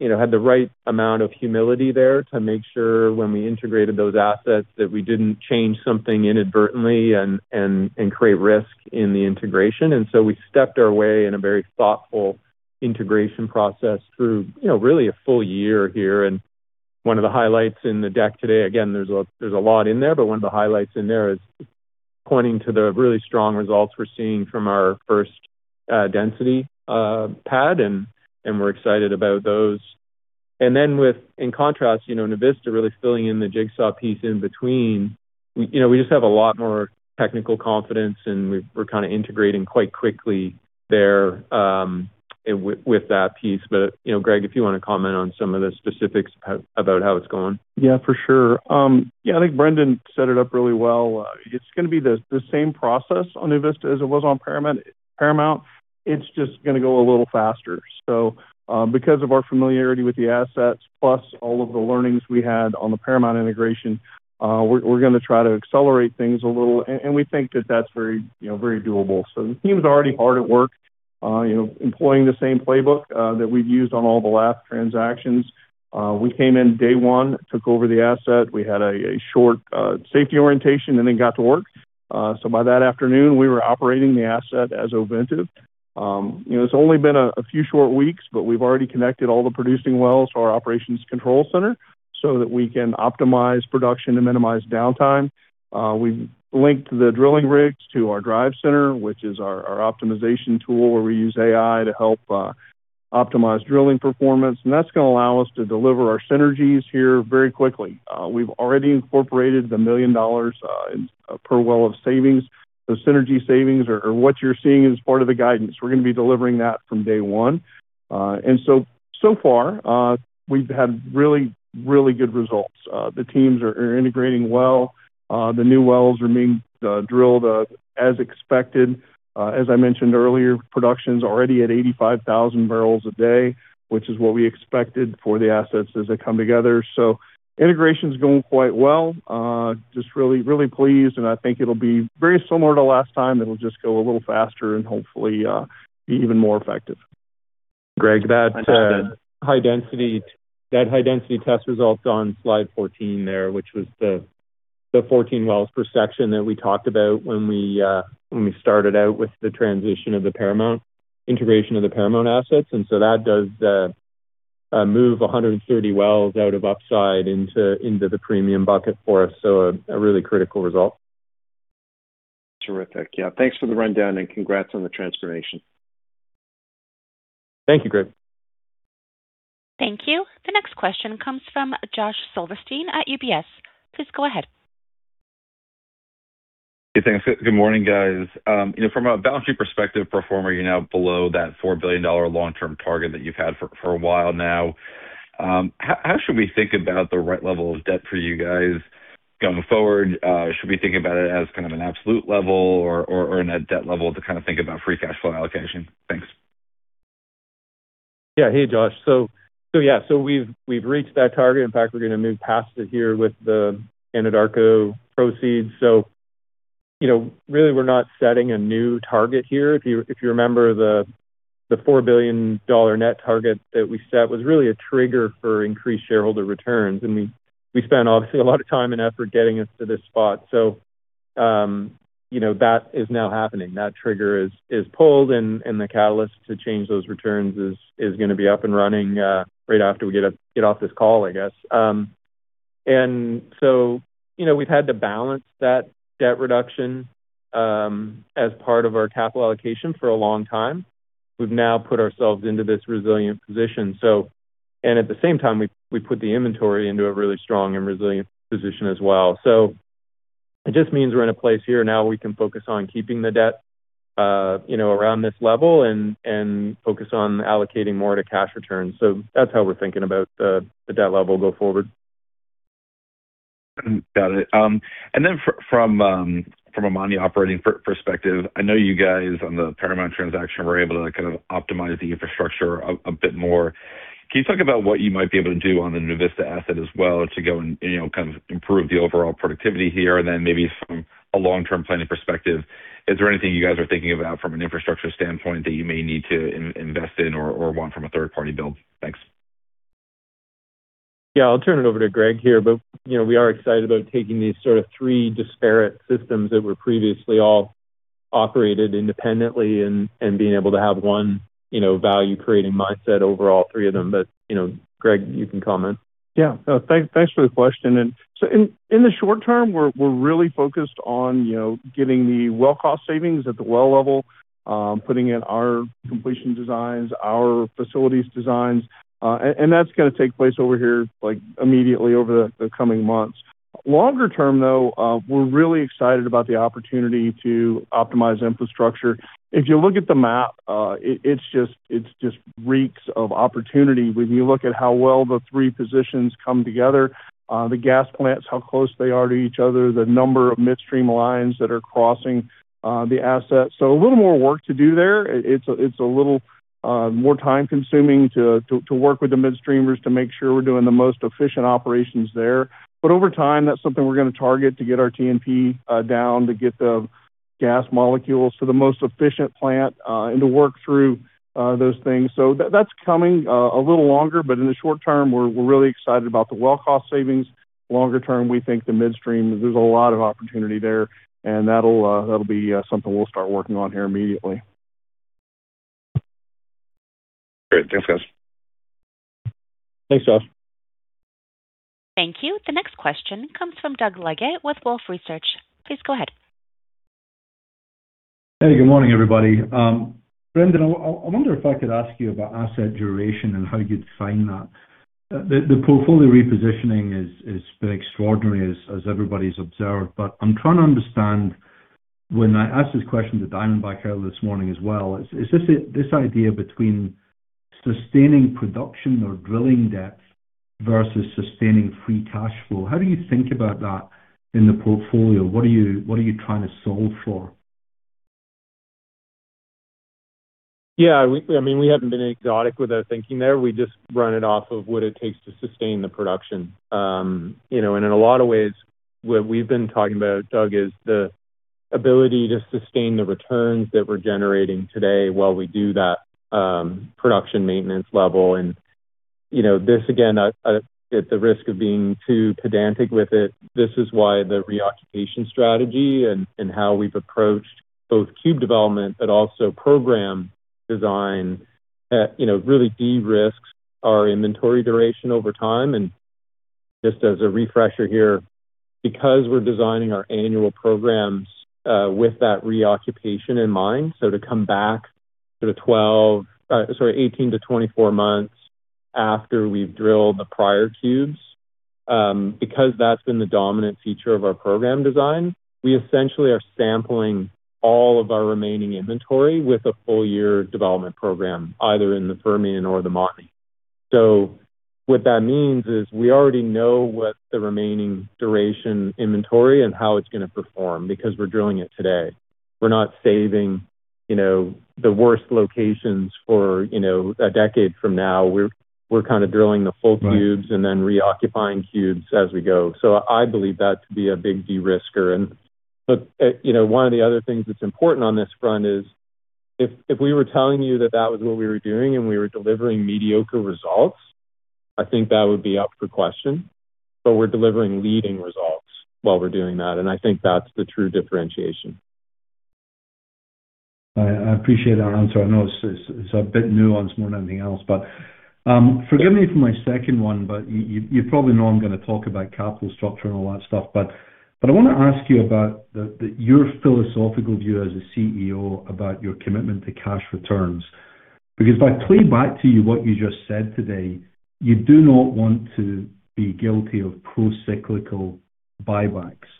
you know, had the right amount of humility there to make sure when we integrated those assets, that we didn't change something inadvertently and create risk in the integration. We stepped our way in a very thoughtful integration process through, you know, really a full year here. One of the highlights in the deck today. Again, there's a lot in there, but one of the highlights in there is pointing to the really strong results we're seeing from our first density pad, and we're excited about those. Then with, in contrast, you know, NuVista really filling in the jigsaw piece in between. We, you know, we just have a lot more technical confidence, and we're kind of integrating quite quickly there with that piece. You know, Greg, if you want to comment on some of the specifics about how it's going. Yeah, for sure. I think Brendan set it up really well. It's going to be the same process on NuVista as it was on Paramount. It's just going to go a little faster because of our familiarity with the assets, plus all of the learnings we had on the Paramount integration. We're going to try to accelerate things a little, and we think that that's very, you know, very doable. The team's already hard at work, you know, employing the same playbook that we've used on all the last transactions. We came in day one, took over the asset. We had a short safety orientation and then got to work. By that afternoon, we were operating the asset as Ovintiv. You know, it's only been a few short weeks, but we've already connected all the producing wells to our Operations Control Center so that we can optimize production and minimize downtime. We've linked the drilling rigs to our DRIVE center, which is our optimization tool, where we use AI to help optimize drilling performance. That's gonna allow us to deliver our synergies here very quickly. We've already incorporated the $1 million in per well of savings. The synergy savings are what you're seeing as part of the guidance. We're gonna be delivering that from day one. So far, we've had really good results. The teams are integrating well. The new wells are being drilled as expected. As I mentioned earlier, production's already at 85,000 bbl a day, which is what we expected for the assets as they come together. Integration is going quite well. Just really, really pleased, and I think it'll be very similar to last time. It'll just go a little faster and hopefully be even more effective. Greg, that high density test results on slide 14 there, which was the 14 wells per section that we talked about when we started out with the transition of the Paramount, integration of the Paramount assets. That does move 130 wells out of upside into the premium bucket for us. A really critical result. Terrific. Yeah. Thanks for the rundown and congrats on the transformation. Thank you, Greg. Thank you. The next question comes from Josh Silverstein at UBS. Please go ahead. Hey, thanks. Good morning, guys. you know, from a balancing perspective performer, you're now below that $4 billion long-term target that you've had for a while now. How should we think about the right level of debt for you guys going forward? Should we think about it as kind of an absolute level or net debt level to kind about free cash flow allocation? Thanks. Yeah. Hey, Josh. We've, we've reached that target. In fact, we're gonna move past it here with the Anadarko proceeds. You know, really, we're not setting a new target here. If you, if you remember, the $4 billion net target that we set was really a trigger for increased shareholder returns, and we spent obviously a lot of time and effort getting us to this spot. You know, that is now happening. That trigger is pulled, and the catalyst to change those returns is gonna be up and running right after we get off this call, I guess. You know, we've had to balance that debt reduction as part of our capital allocation for a long time. We've now put ourselves into this resilient position. At the same time, we put the inventory into a really strong and resilient position as well. It just means we're in a place here now we can focus on keeping the debt, you know, around this level and focus on allocating more to cash returns. That's how we're thinking about the debt level go forward. Got it. From a money operating perspective, I know you guys, on the Paramount transaction, were able to kind of optimize the infrastructure a bit more. Can you talk about what you might be able to do on the NuVista asset as well to go and, you know, kind of improve the overall productivity here? Maybe from a long-term planning perspective, is there anything you guys are thinking about from an infrastructure standpoint that you may need to invest in or want from a third-party build? Thanks. Yeah, I'll turn it over to Greg here, but, you know, we are excited about taking these sort of three disparate systems that were previously all operated independently and being able to have one, you know, value-creating mindset over all three of them. You know, Greg, you can comment. Yeah. Thanks for the question. In the short term, we're really focused on, you know, getting the well cost savings at the well level, putting in our completion designs, our facilities designs, and that's gonna take place over here, like, immediately over the coming months. Longer term, though, we're really excited about the opportunity to optimize infrastructure. If you look at the map, it's just reeks of opportunity. When you look at how well the three positions come together, the gas plants, how close they are to each other, the number of midstream lines that are crossing the asset. A little more work to do there. It's a little more time-consuming to work with the midstreamers to make sure we're doing the most efficient operations there. Over time, that's something we're gonna target to get our T&P down, to get the gas molecules to the most efficient plant, and to work through those things. That's coming a little longer. In the short term, we're really excited about the well cost savings. Longer term, we think the midstream, there's a lot of opportunity there, and that'll be something we'll start working on here immediately. Great. Thanks, guys. Thanks, Josh. Thank you. The next question comes from Doug Leggate with Wolfe Research. Please go ahead. Good morning, everybody. Brendan, I wonder if I could ask you about asset duration and how you define that. The portfolio repositioning is been extraordinary as everybody's observed, I'm trying to understand, when I asked this question to Diamondback earlier this morning as well, is this idea between sustaining production or drilling depth versus sustaining free cash flow? How do you think about that in the portfolio? What are you trying to solve for? Yeah, I mean, we haven't been exotic with our thinking there. We just run it off of what it takes to sustain the production. you know, in a lot of ways, what we've been talking about, Doug, is the ability to sustain the returns that we're generating today while we do that, production maintenance level. you know, this, again, I, at the risk of being too pedantic with it, this is why the reoccupation strategy and how we've approached both cube development, but also program design, you know, really de-risks our inventory duration over time. Just as a refresher here, because we're designing our annual programs with that reoccupation in mind, to come back to the 12, sorry, 18-24 months after we've drilled the prior cubes, because that's been the dominant feature of our program design, we essentially are sampling all of our remaining inventory with a full-year development program, either in the Permian or the Montney. What that means is we already know what the remaining duration inventory and how it's going to perform because we're drilling it today. We're not saving, you know, the worst locations for, you know, a decade from now. We're kind of drilling the full cubes. Right. Reoccupying cubes as we go. I believe that to be a big de-risker. You know, one of the other things that's important on this front is if we were telling you that that was what we were doing and we were delivering mediocre results, I think that would be up for question. We're delivering leading results while we're doing that, and I think that's the true differentiation. I appreciate that answer. I know it's a bit nuanced more than anything else, but forgive me for my second one, but you probably know I'm gonna talk about capital structure and all that stuff. I want to ask you about the your philosophical view as a CEO about your commitment to cash returns. Because if I play back to you what you just said today, you do not want to be guilty of procyclical buybacks,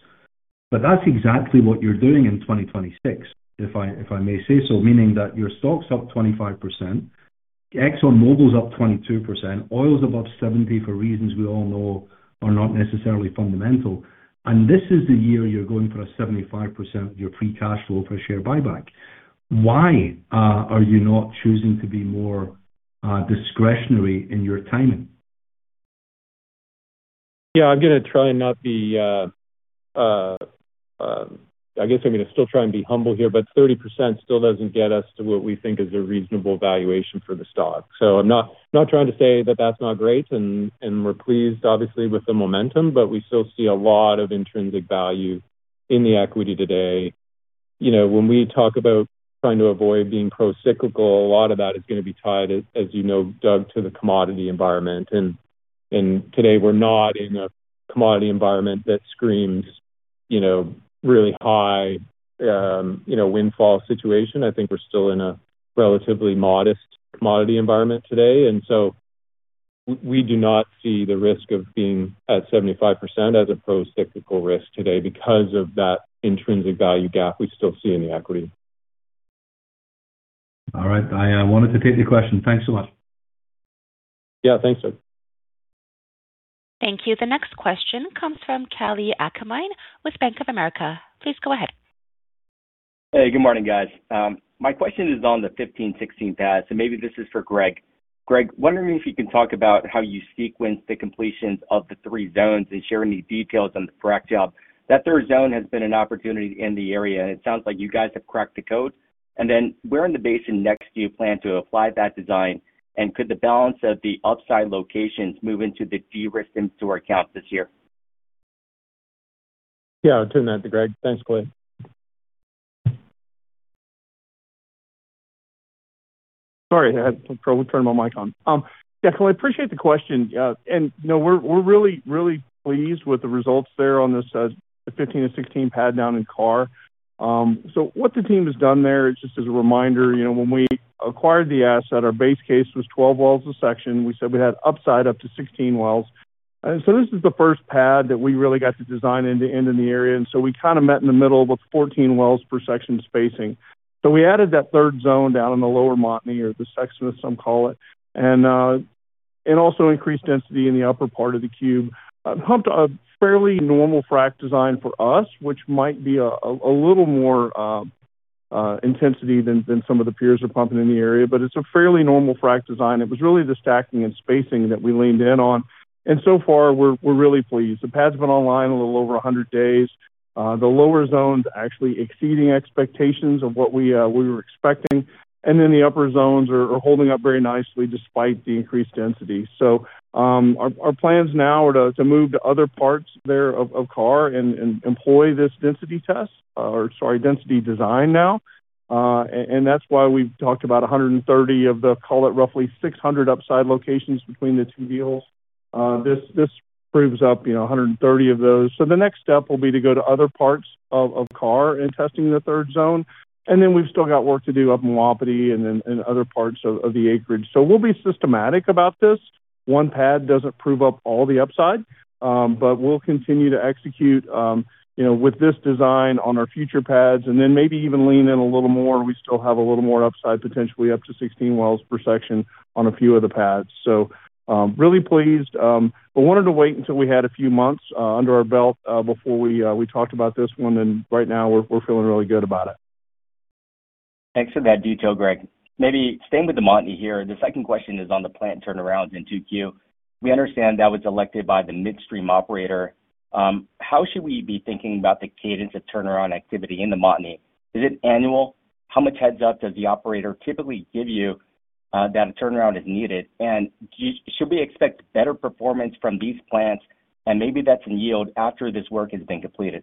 but that's exactly what you're doing in 2026, if I may say so. Meaning that your stock's up 25%, ExxonMobil's up 22%, oil's above $70 for reasons we all know are not necessarily fundamental. This is the year you're going for a 75% of your free cash flow per share buyback. Why are you not choosing to be more discretionary in your timing? I'm gonna try and not be, I guess I'm gonna still try and be humble here. 30% still doesn't get us to what we think is a reasonable valuation for the stock. I'm not trying to say that that's not great. We're pleased, obviously, with the momentum. We still see a lot of intrinsic value in the equity today. You know, when we talk about trying to avoid being procyclical, a lot of that is gonna be tied, as you know, Doug, to the commodity environment. Today we're not in a commodity environment that screams, you know, really high, you know, windfall situation. I think we're still in a relatively modest commodity environment today, and so we do not see the risk of being at 75% as a procyclical risk today because of that intrinsic value gap we still see in the equity. All right. I wanted to take the question. Thanks so much. Yeah, thanks, Doug. Thank you. The next question comes from Kalei Akamine with Bank of America. Please go ahead. Hey, good morning, guys. My question is on the 15, 16 pads. Maybe this is for Greg. Greg, wondering if you can talk about how you sequence the completions of the three zones and sharing the details on the frac job. That third zone has been an opportunity in the area, and it sounds like you guys have cracked the code. Where in the basin next do you plan to apply that design? Could the balance of the upside locations move into the de-risked inventory count this year? Yeah, I'll turn that to Greg. Thanks, Kelly. Sorry, I had trouble turning my mic on. Yeah, I appreciate the question. You know, we're really pleased with the results there on this, the 15 and 16 pad down in Carr. What the team has done there, just as a reminder, you know, when we acquired the asset, our base case was 12 wells a section. We said we'd have upside up to 16 wells. This is the first pad that we really got to design end to end in the area, and so we kind of met in the middle with 14 wells per section spacing. We added that third zone down in the lower Montney or the Sexsmith, some call it, and also increased density in the upper part of the cube. pumped a fairly normal frac design for us, which might be a little more intensity than some of the peers are pumping in the area, but it's a fairly normal frac design. It was really the stacking and spacing that we leaned in on, so far we're really pleased. The pad's been online a little over 100 days. The lower zones actually exceeding expectations of what we were expecting, the upper zones are holding up very nicely despite the increased density. Our plans now are to move to other parts there of Carr and employ this density test or, sorry, density design now. And that's why we've talked about 130 of the, call it, roughly 600 upside locations between the two deals. This, this proves up, you know, 130 of those. The next step will be to go to other parts of Carr and testing the third zone, and then we've still got work to do up in Wapiti and then, and other parts of the acreage. We'll be systematic about this. One pad doesn't prove up all the upside, but we'll continue to execute, you know, with this design on our future pads and then maybe even lean in a little more. We still have a little more upside, potentially up to 16 wells per section on a few of the pads. Really pleased, but wanted to wait until we had a few months under our belt before we talked about this one, and right now, we're feeling really good about it. Thanks for that detail, Greg. Maybe staying with the Montney here. The second question is on the plant turnarounds in 2Q. We understand that was elected by the midstream operator. How should we be thinking about the cadence of turnaround activity in the Montney? Is it annual? How much heads-up does the operator typically give you that a turnaround is needed? Should we expect better performance from these plants, and maybe that's in yield after this work has been completed?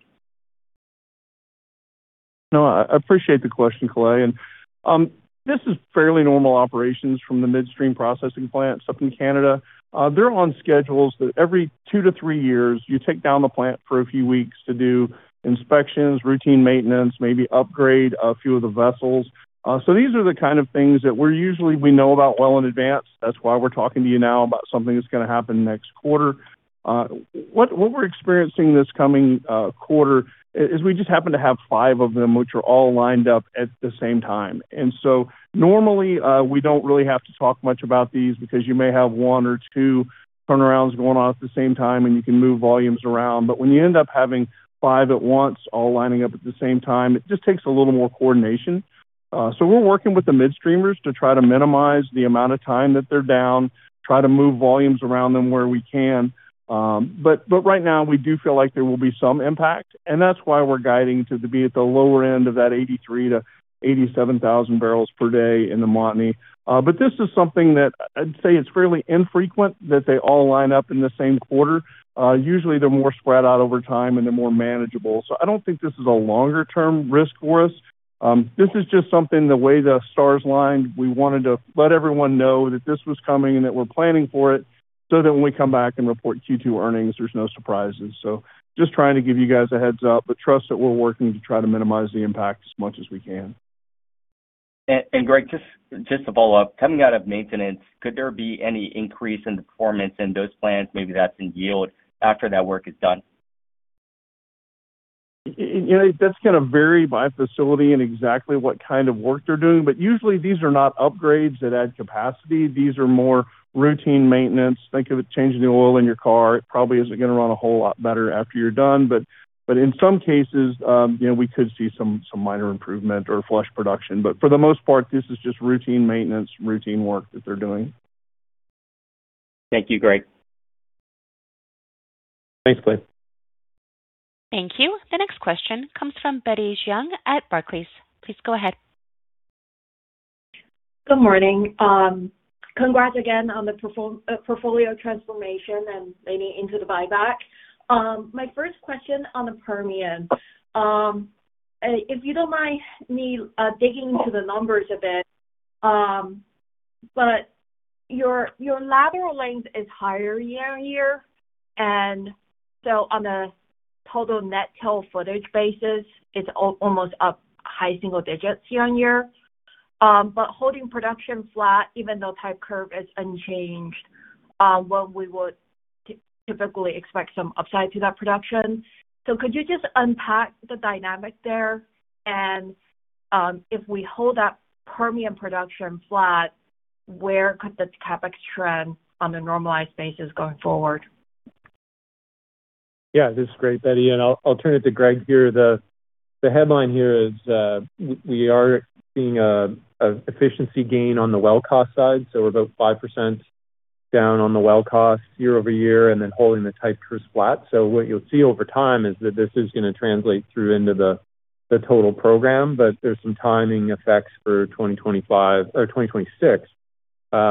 No, I appreciate the question, Kalei. This is fairly normal operations from the midstream processing plants up in Canada. They're on schedules that every two to three years, you take down the plant for a few weeks to do inspections, routine maintenance, maybe upgrade a few of the vessels. These are the kind of things that we're usually we know about well in advance. That's why we're talking to you now about something that's gonna happen next quarter. What, what we're experiencing this coming quarter, is we just happen to have five of them, which are all lined up at the same time. Normally, we don't really have to talk much about these because you may have one or two turnarounds going on at the same time, and you can move volumes around. When you end up having five at once, all lining up at the same time, it just takes a little more coordination. We're working with the midstreamers to try to minimize the amount of time that they're down, try to move volumes around them where we can. Right now we do feel like there will be some impact, and that's why we're guiding to be at the lower end of that 83,000-87,000 bbl per day in the Montney. This is something that I'd say it's fairly infrequent, that they all line up in the same quarter. Usually, they're more spread out over time, and they're more manageable. I don't think this is a longer-term risk for us. This is just something, the way the stars lined, we wanted to let everyone know that this was coming and that we're planning for it, so that when we come back and report Q2 earnings, there's no surprises. Just trying to give you guys a heads-up, but trust that we're working to try to minimize the impact as much as we can. Greg, just to follow up. Coming out of maintenance, could there be any increase in the performance in those plants, maybe that's in yield, after that work is done? You know, that's gonna vary by facility and exactly what kind of work they're doing, but usually these are not upgrades that add capacity. These are more routine maintenance. Think of it changing the oil in your car. It probably isn't gonna run a whole lot better after you're done, but in some cases, you know, we could see some minor improvement or flush production. For the most part, this is just routine maintenance, routine work that they're doing. Thank you, Greg. Thanks, Kalei. Thank you. The next question comes from Betty Jiang at Barclays. Please go ahead. Good morning. Congrats again on the portfolio transformation and leaning into the buyback. My first question on the Permian, if you don't mind me digging into the numbers a bit, but your lateral length is higher year-over-year, and so on a total net tail footage basis, it's almost up high single digits year-over-year. But holding production flat, even though type curve is unchanged, when we would typically expect some upside to that production. Could you just unpack the dynamic there? If we hold that Permian production flat, where could the CapEx trend on the normalized basis going forward? This is great, Betty, and I'll turn it to Greg here. The headline here is, we are seeing an efficiency gain on the well cost side, about 5% down on the well cost year-over-year, and then holding the type curves flat. What you'll see over time is that this is going to translate through into the total program, but there's some timing effects for 2025 or 2026 that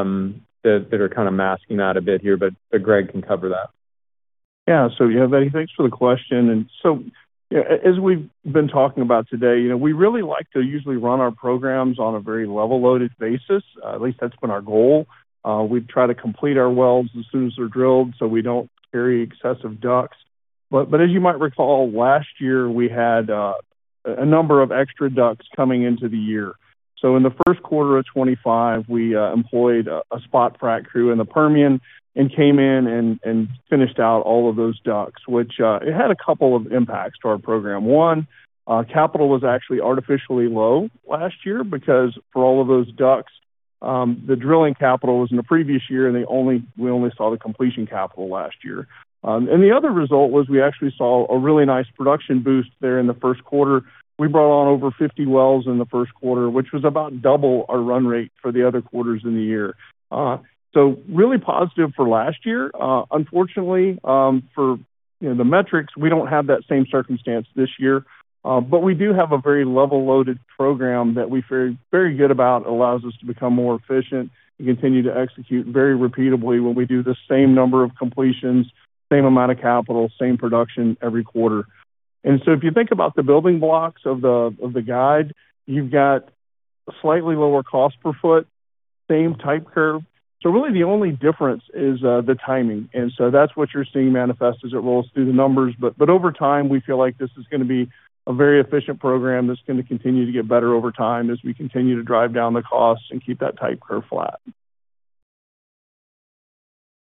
are kind of masking that a bit here, but Greg can cover that. Yeah. Yeah, Betty, thanks for the question, as we've been talking about today, you know, we really like to usually run our programs on a very level-loaded basis. At least that's been our goal. We try to complete our wells as soon as they're drilled, so we don't carry excessive DUCs. As you might recall, last year we had a number of extra DUCs coming into the year. In the first quarter of 2025, we employed a spot frac crew in the Permian and came in and finished out all of those DUCs, which it had a couple of impacts to our program. One, capital was actually artificially low last year because for all of those DUCs, the drilling capital was in the previous year, we only saw the completion capital last year. The other result was we actually saw a really nice production boost there in the first quarter. We brought on over 50 wells in the first quarter, which was about double our run rate for the other quarters in the year. Really positive for last year. Unfortunately, for, you know, the metrics, we don't have that same circumstance this year, we do have a very level-loaded program that we're very, very good about. Allows us to become more efficient and continue to execute very repeatably when we do the same number of completions, same amount of capital, same production every quarter. If you think about the building blocks of the, of the guide, slightly lower cost per foot, same type curve. Really the only difference is the timing, and that's what you're seeing manifest as it rolls through the numbers. Over time, we feel like this is gonna be a very efficient program that's gonna continue to get better over time as we continue to drive down the costs and keep that type curve flat.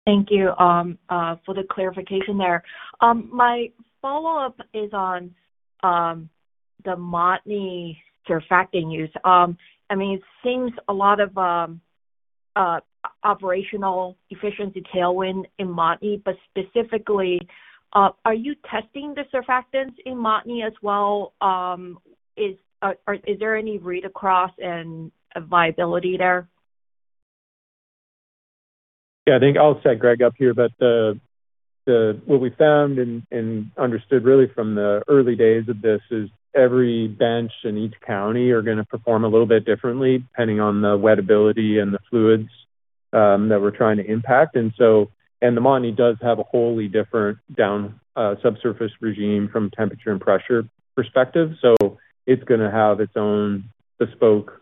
Thank you for the clarification there. My follow-up is on the Montney surfactant use. I mean, it seems a lot of operational efficiency tailwind in Montney, but specifically, are you testing the surfactants in Montney as well? Is there any read across and viability there? I think I'll set Greg up here, but the, what we found and understood really from the early days of this is every bench in each county are gonna perform a little bit differently, depending on the wettability and the fluids that we're trying to impact. The Montney does have a wholly different down subsurface regime from temperature and pressure perspective, so it's gonna have its own bespoke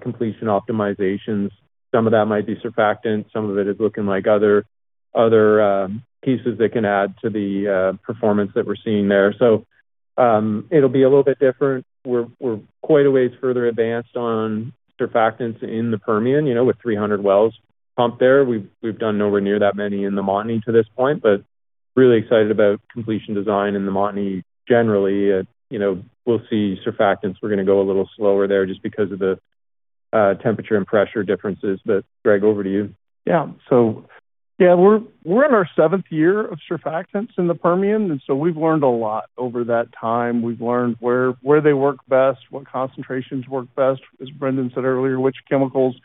completion optimizations. Some of that might be surfactants, some of it is looking like other pieces that can add to the performance that we're seeing there. It'll be a little bit different. We're quite a ways further advanced on surfactants in the Permian, you know, with 300 wells pumped there. We've done nowhere near that many in the Montney to this point. Really excited about completion design in the Montney. Generally, you know, we'll see surfactants, we're gonna go a little slower there just because of the temperature and pressure differences. Greg, over to you. Yeah. We're in our seventh year of surfactants in the Permian, we've learned a lot over that time. We've learned where they work best, what concentrations work best, as Brendan said earlier, which chemicals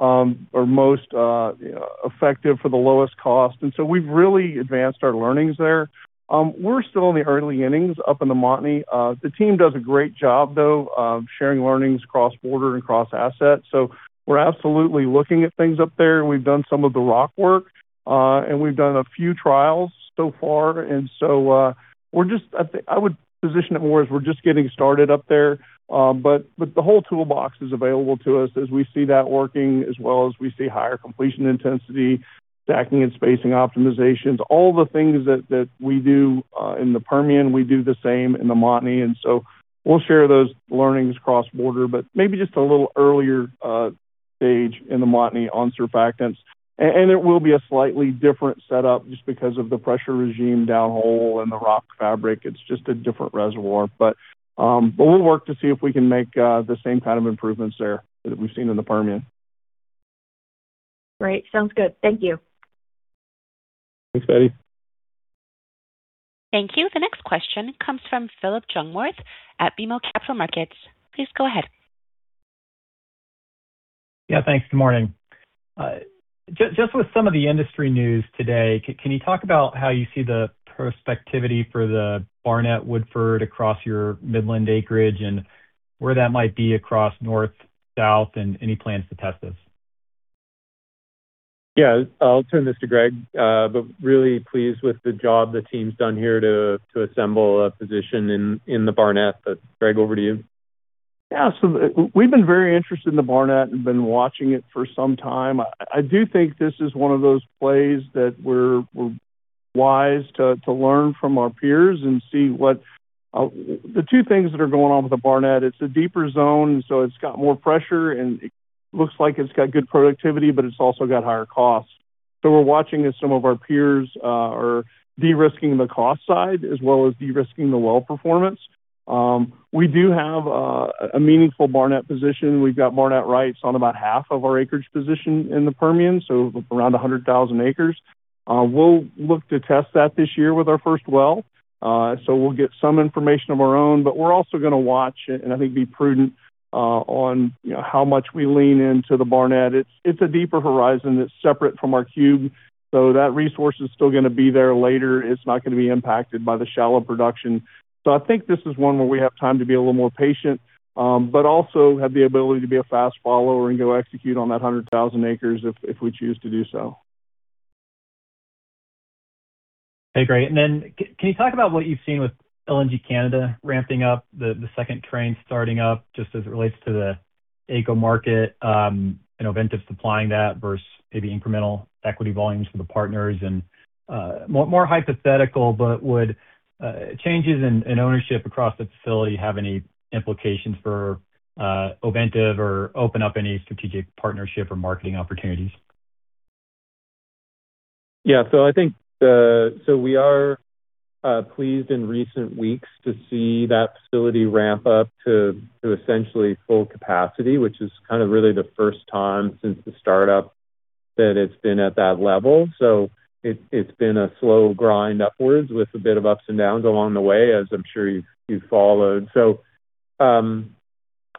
are most effective for the lowest cost. We've really advanced our learnings there. We're still in the early innings up in the Montney. The team does a great job, though, of sharing learnings cross-border and cross-asset. We're absolutely looking at things up there, and we've done some of the rock work, and we've done a few trials so far, I think, I would position it more as we're just getting started up there. The whole toolbox is available to us as we see that working, as well as we see higher completion intensity, stacking and spacing optimizations. All the things that we do in the Permian, we do the same in the Montney, and so we'll share those learnings cross-border, but maybe just a little earlier stage in the Montney on surfactants. It will be a slightly different setup just because of the pressure regime downhole and the rock fabric. It's just a different reservoir. We'll work to see if we can make the same kind of improvements there that we've seen in the Permian. Great. Sounds good. Thank you. Thanks, Betty. Thank you. The next question comes from Phillip Jungwirth at BMO Capital Markets. Please go ahead. Yeah, thanks. Good morning. Just with some of the industry news today, can you talk about how you see the prospectivity for the Barnett, Woodford across your Midland acreage and where that might be across north, south, and any plans to test this? Yeah, I'll turn this to Greg, but really pleased with the job the team's done here to assemble a position in the Barnett. Greg, over to you. Yeah, we've been very interested in the Barnett and been watching it for some time. I do think this is one of those plays that we're wise to learn from our peers and see what. The two things that are going on with the Barnett, it's a deeper zone, so it's got more pressure, and it looks like it's got good productivity, but it's also got higher costs. We're watching as some of our peers are de-risking the cost side, as well as de-risking the well performance. We do have a meaningful Barnett position. We've got Barnett rights on about half of our acreage position in the Permian, around 100,000 acres. We'll look to test that this year with our first well, so we'll get some information of our own, but we're also gonna watch and I think be prudent, on, you know, how much we lean into the Barnett. It's a deeper horizon that's separate from our cube, so that resource is still gonna be there later. It's not gonna be impacted by the shallow production. I think this is one where we have time to be a little more patient, but also have the ability to be a fast follower and go execute on that 100,000 acres if we choose to do so. Okay, great. Can you talk about what you've seen with LNG Canada ramping up the second train, starting up just as it relates to the AECO market, in event of supplying that versus maybe incremental equity volumes for the partners? More hypothetical, but would changes in ownership across the facility have any implications for Ovintiv or open up any strategic partnership or marketing opportunities? I think we are pleased in recent weeks to see that facility ramp up to essentially full capacity, which is kind of really the first time since the startup that it's been at that level. It's been a slow grind upwards with a bit of ups and downs along the way, as I'm sure you've followed.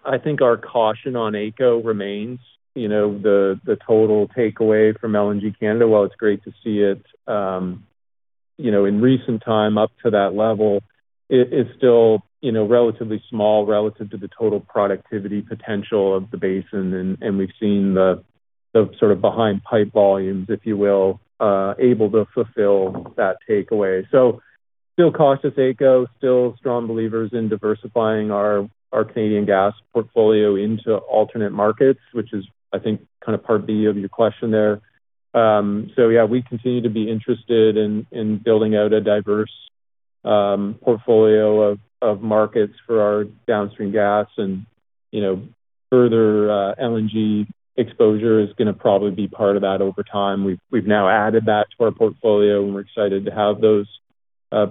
I think our caution on AECO remains, you know, the total takeaway from LNG Canada, while it's great to see it, you know, in recent time up to that level, it is still, you know, relatively small relative to the total productivity potential of the basin. We've seen the sort of behind pipe volumes, if you will, able to fulfill that takeaway. Still cautious, AECO, still strong believers in diversifying our Canadian gas portfolio into alternate markets, which is, I think, kind of part B of your question there. Yeah, we continue to be interested in building out a diverse portfolio of markets for our downstream gas and, you know, further LNG exposure is going to probably be part of that over time. We've now added that to our portfolio, and we're excited to have those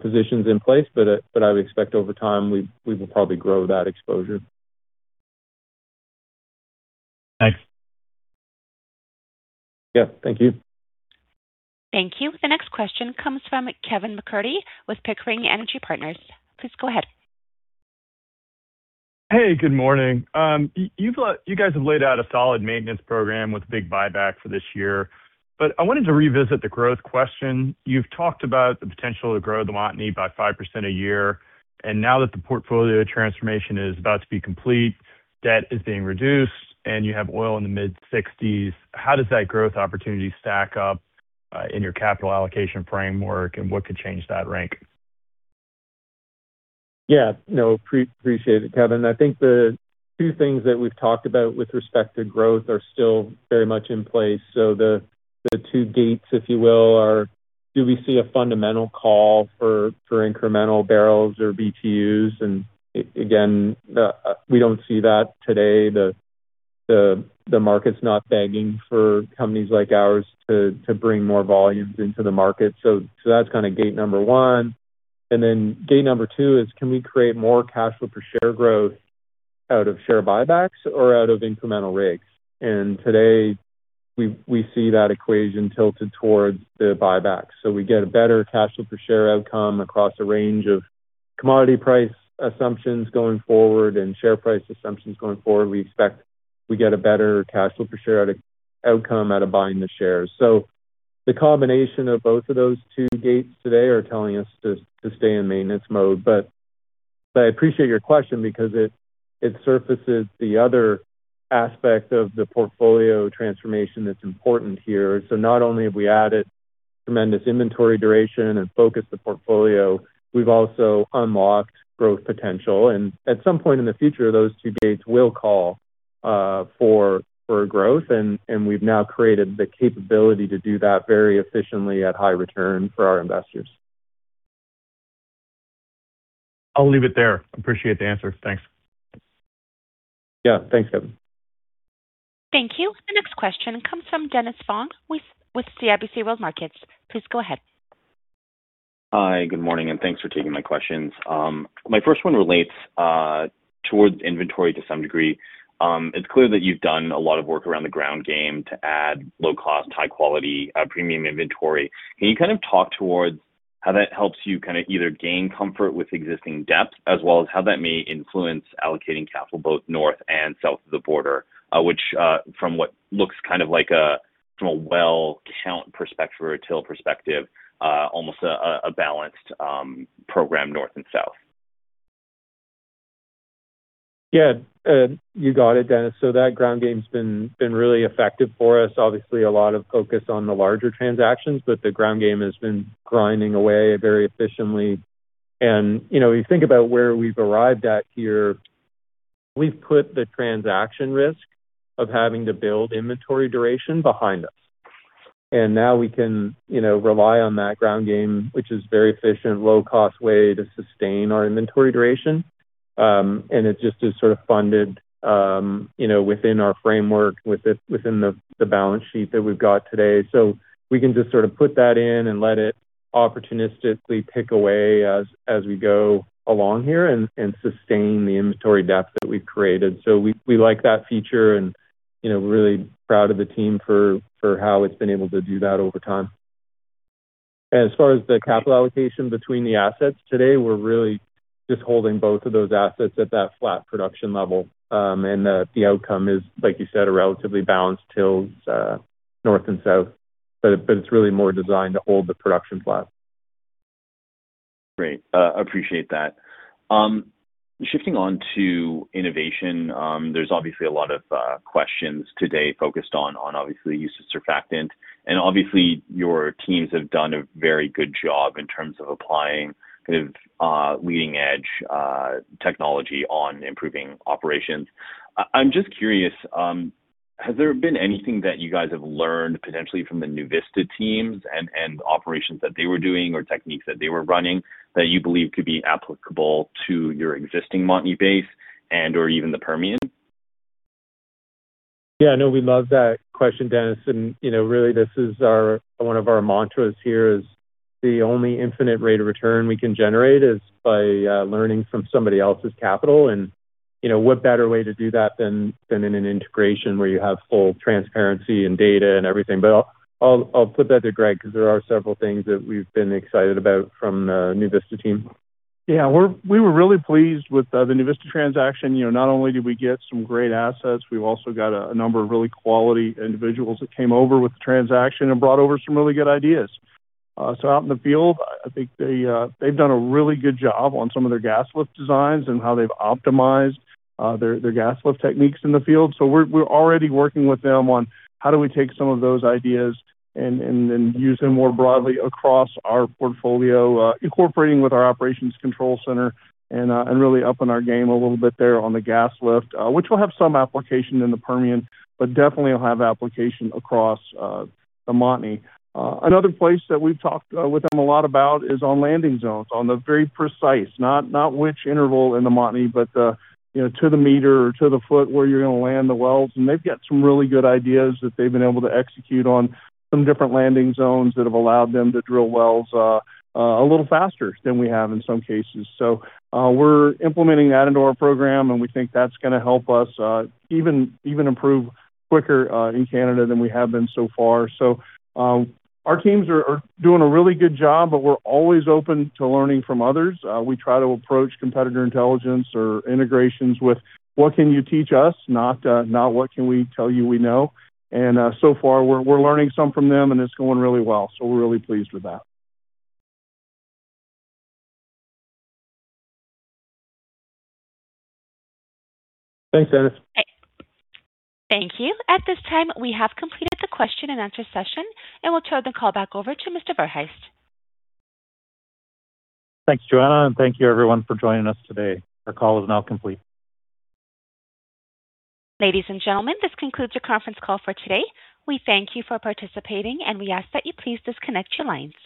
positions in place. I would expect over time, we will probably grow that exposure. Thanks. Yeah. Thank you. Thank you. The next question comes from Kevin MacCurdy with Pickering Energy Partners. Please go ahead. Hey, good morning. You guys have laid out a solid maintenance program with a big buyback for this year, but I wanted to revisit the growth question. You've talked about the potential to grow the Montney by 5% a year, and now that the portfolio transformation is about to be complete, debt is being reduced, and you have oil in the mid-$60s, how does that growth opportunity stack up in your capital allocation framework, and what could change that rank? Yeah. No, appreciate it, Kevin. I think the two things that we've talked about with respect to growth are still very much in place. The two gates, if you will, are, do we see a fundamental call for incremental barrels or BTUs? Again, we don't see that today. The market's not begging for companies like ours to bring more volumes into the market. That's kind of gate number one. Then gate number two is, can we create more cash flow per share growth out of share buybacks or out of incremental rigs? Today, we see that equation tilted towards the buybacks. We get a better cash flow per share outcome across a range of commodity price assumptions going forward and share price assumptions going forward. We expect we get a better cash flow per share outcome out of buying the shares. The combination of both of those two gates today are telling us to stay in maintenance mode. I appreciate your question because it surfaces the other aspect of the portfolio transformation that's important here. Not only have we added tremendous inventory duration and focused the portfolio, we've also unlocked growth potential, and at some point in the future, those two gates will call for growth, and we've now created the capability to do that very efficiently at high return for our investors. I'll leave it there. Appreciate the answer. Thanks. Yeah. Thanks, Kevin. Thank you. The next question comes from Dennis Fong with CIBC World Markets. Please go ahead. Hi, good morning, thanks for taking my questions. My first one relates towards inventory to some degree. It's clear that you've done a lot of work around the ground game to add low cost, high quality, premium inventory. Can you kind of talk towards how that helps you kind of either gain comfort with existing depth as well as how that may influence allocating capital both north and south of the border? Which, from what looks kind of like a, from a well count perspective or a till perspective, almost a balanced program, north and south? You got it, Dennis. That ground game's been really effective for us. Obviously, a lot of focus on the larger transactions, the ground game has been grinding away very efficiently. You know, you think about where we've arrived at here, we've put the transaction risk of having to build inventory duration behind us, now we can, you know, rely on that ground game, which is very efficient, low cost way to sustain our inventory duration. It just is sort of funded, you know, within our framework, within the balance sheet that we've got today. We can just sort of put that in and let it opportunistically tick away as we go along here and sustain the inventory depth that we've created. We like that feature and, you know, really proud of the team for how it's been able to do that over time. As far as the capital allocation between the assets, today, we're really just holding both of those assets at that flat production level. The outcome is, like you said, a relatively balanced till north and south, but it's really more designed to hold the production flat. Great. Appreciate that. Shifting on to innovation, there's obviously a lot of questions today focused on obviously, the use of surfactant, and obviously, your teams have done a very good job in terms of applying kind of, leading-edge, technology on improving operations. I'm just curious, has there been anything that you guys have learned potentially from the NuVista teams and operations that they were doing, or techniques that they were running, that you believe could be applicable to your existing Montney base and, or even the Permian? Yeah, no, we love that question, Dennis. You know, really, one of our mantras here, is the only infinite rate of return we can generate is by learning from somebody else's capital. You know, what better way to do that than in an integration where you have full transparency and data and everything? I'll put that to Greg, because there are several things that we've been excited about from the NuVista team. Yeah, we were really pleased with the NuVista Energy transaction. You know, not only did we get some great assets, we've also got a number of really quality individuals that came over with the transaction and brought over some really good ideas. Out in the field, I think they've done a really good job on some of their gas lift designs and how they've optimized their gas lift techniques in the field. We're already working with them on how do we take some of those ideas and use them more broadly across our portfolio, incorporating with our Operations Control Center and really upping our game a little bit there on the gas lift. Which will have some application in the Permian, but definitely will have application across the Montney. Another place that we've talked with them a lot about is on landing zones, on the very precise, not which interval in the Montney, but, you know, to the meter or to the foot, where you're going to land the wells. They've got some really good ideas that they've been able to execute on some different landing zones that have allowed them to drill wells a little faster than we have in some cases. We're implementing that into our program, and we think that's gonna help us even improve quicker in Canada than we have been so far. Our teams are doing a really good job, but we're always open to learning from others. We try to approach competitor intelligence or integrations with, "What can you teach us?" Not, not, "What can we tell you we know?" So far, we're learning some from them, and it's going really well. We're really pleased with that. Thanks, Dennis. Thank you. At this time, we have completed the question and answer session, and we'll turn the call back over to Mr. Verhaest. Thanks, Joanna. Thank you, everyone, for joining us today. Our call is now complete. Ladies and gentlemen, this concludes your conference call for today. We thank you for participating, and we ask that you please disconnect your lines.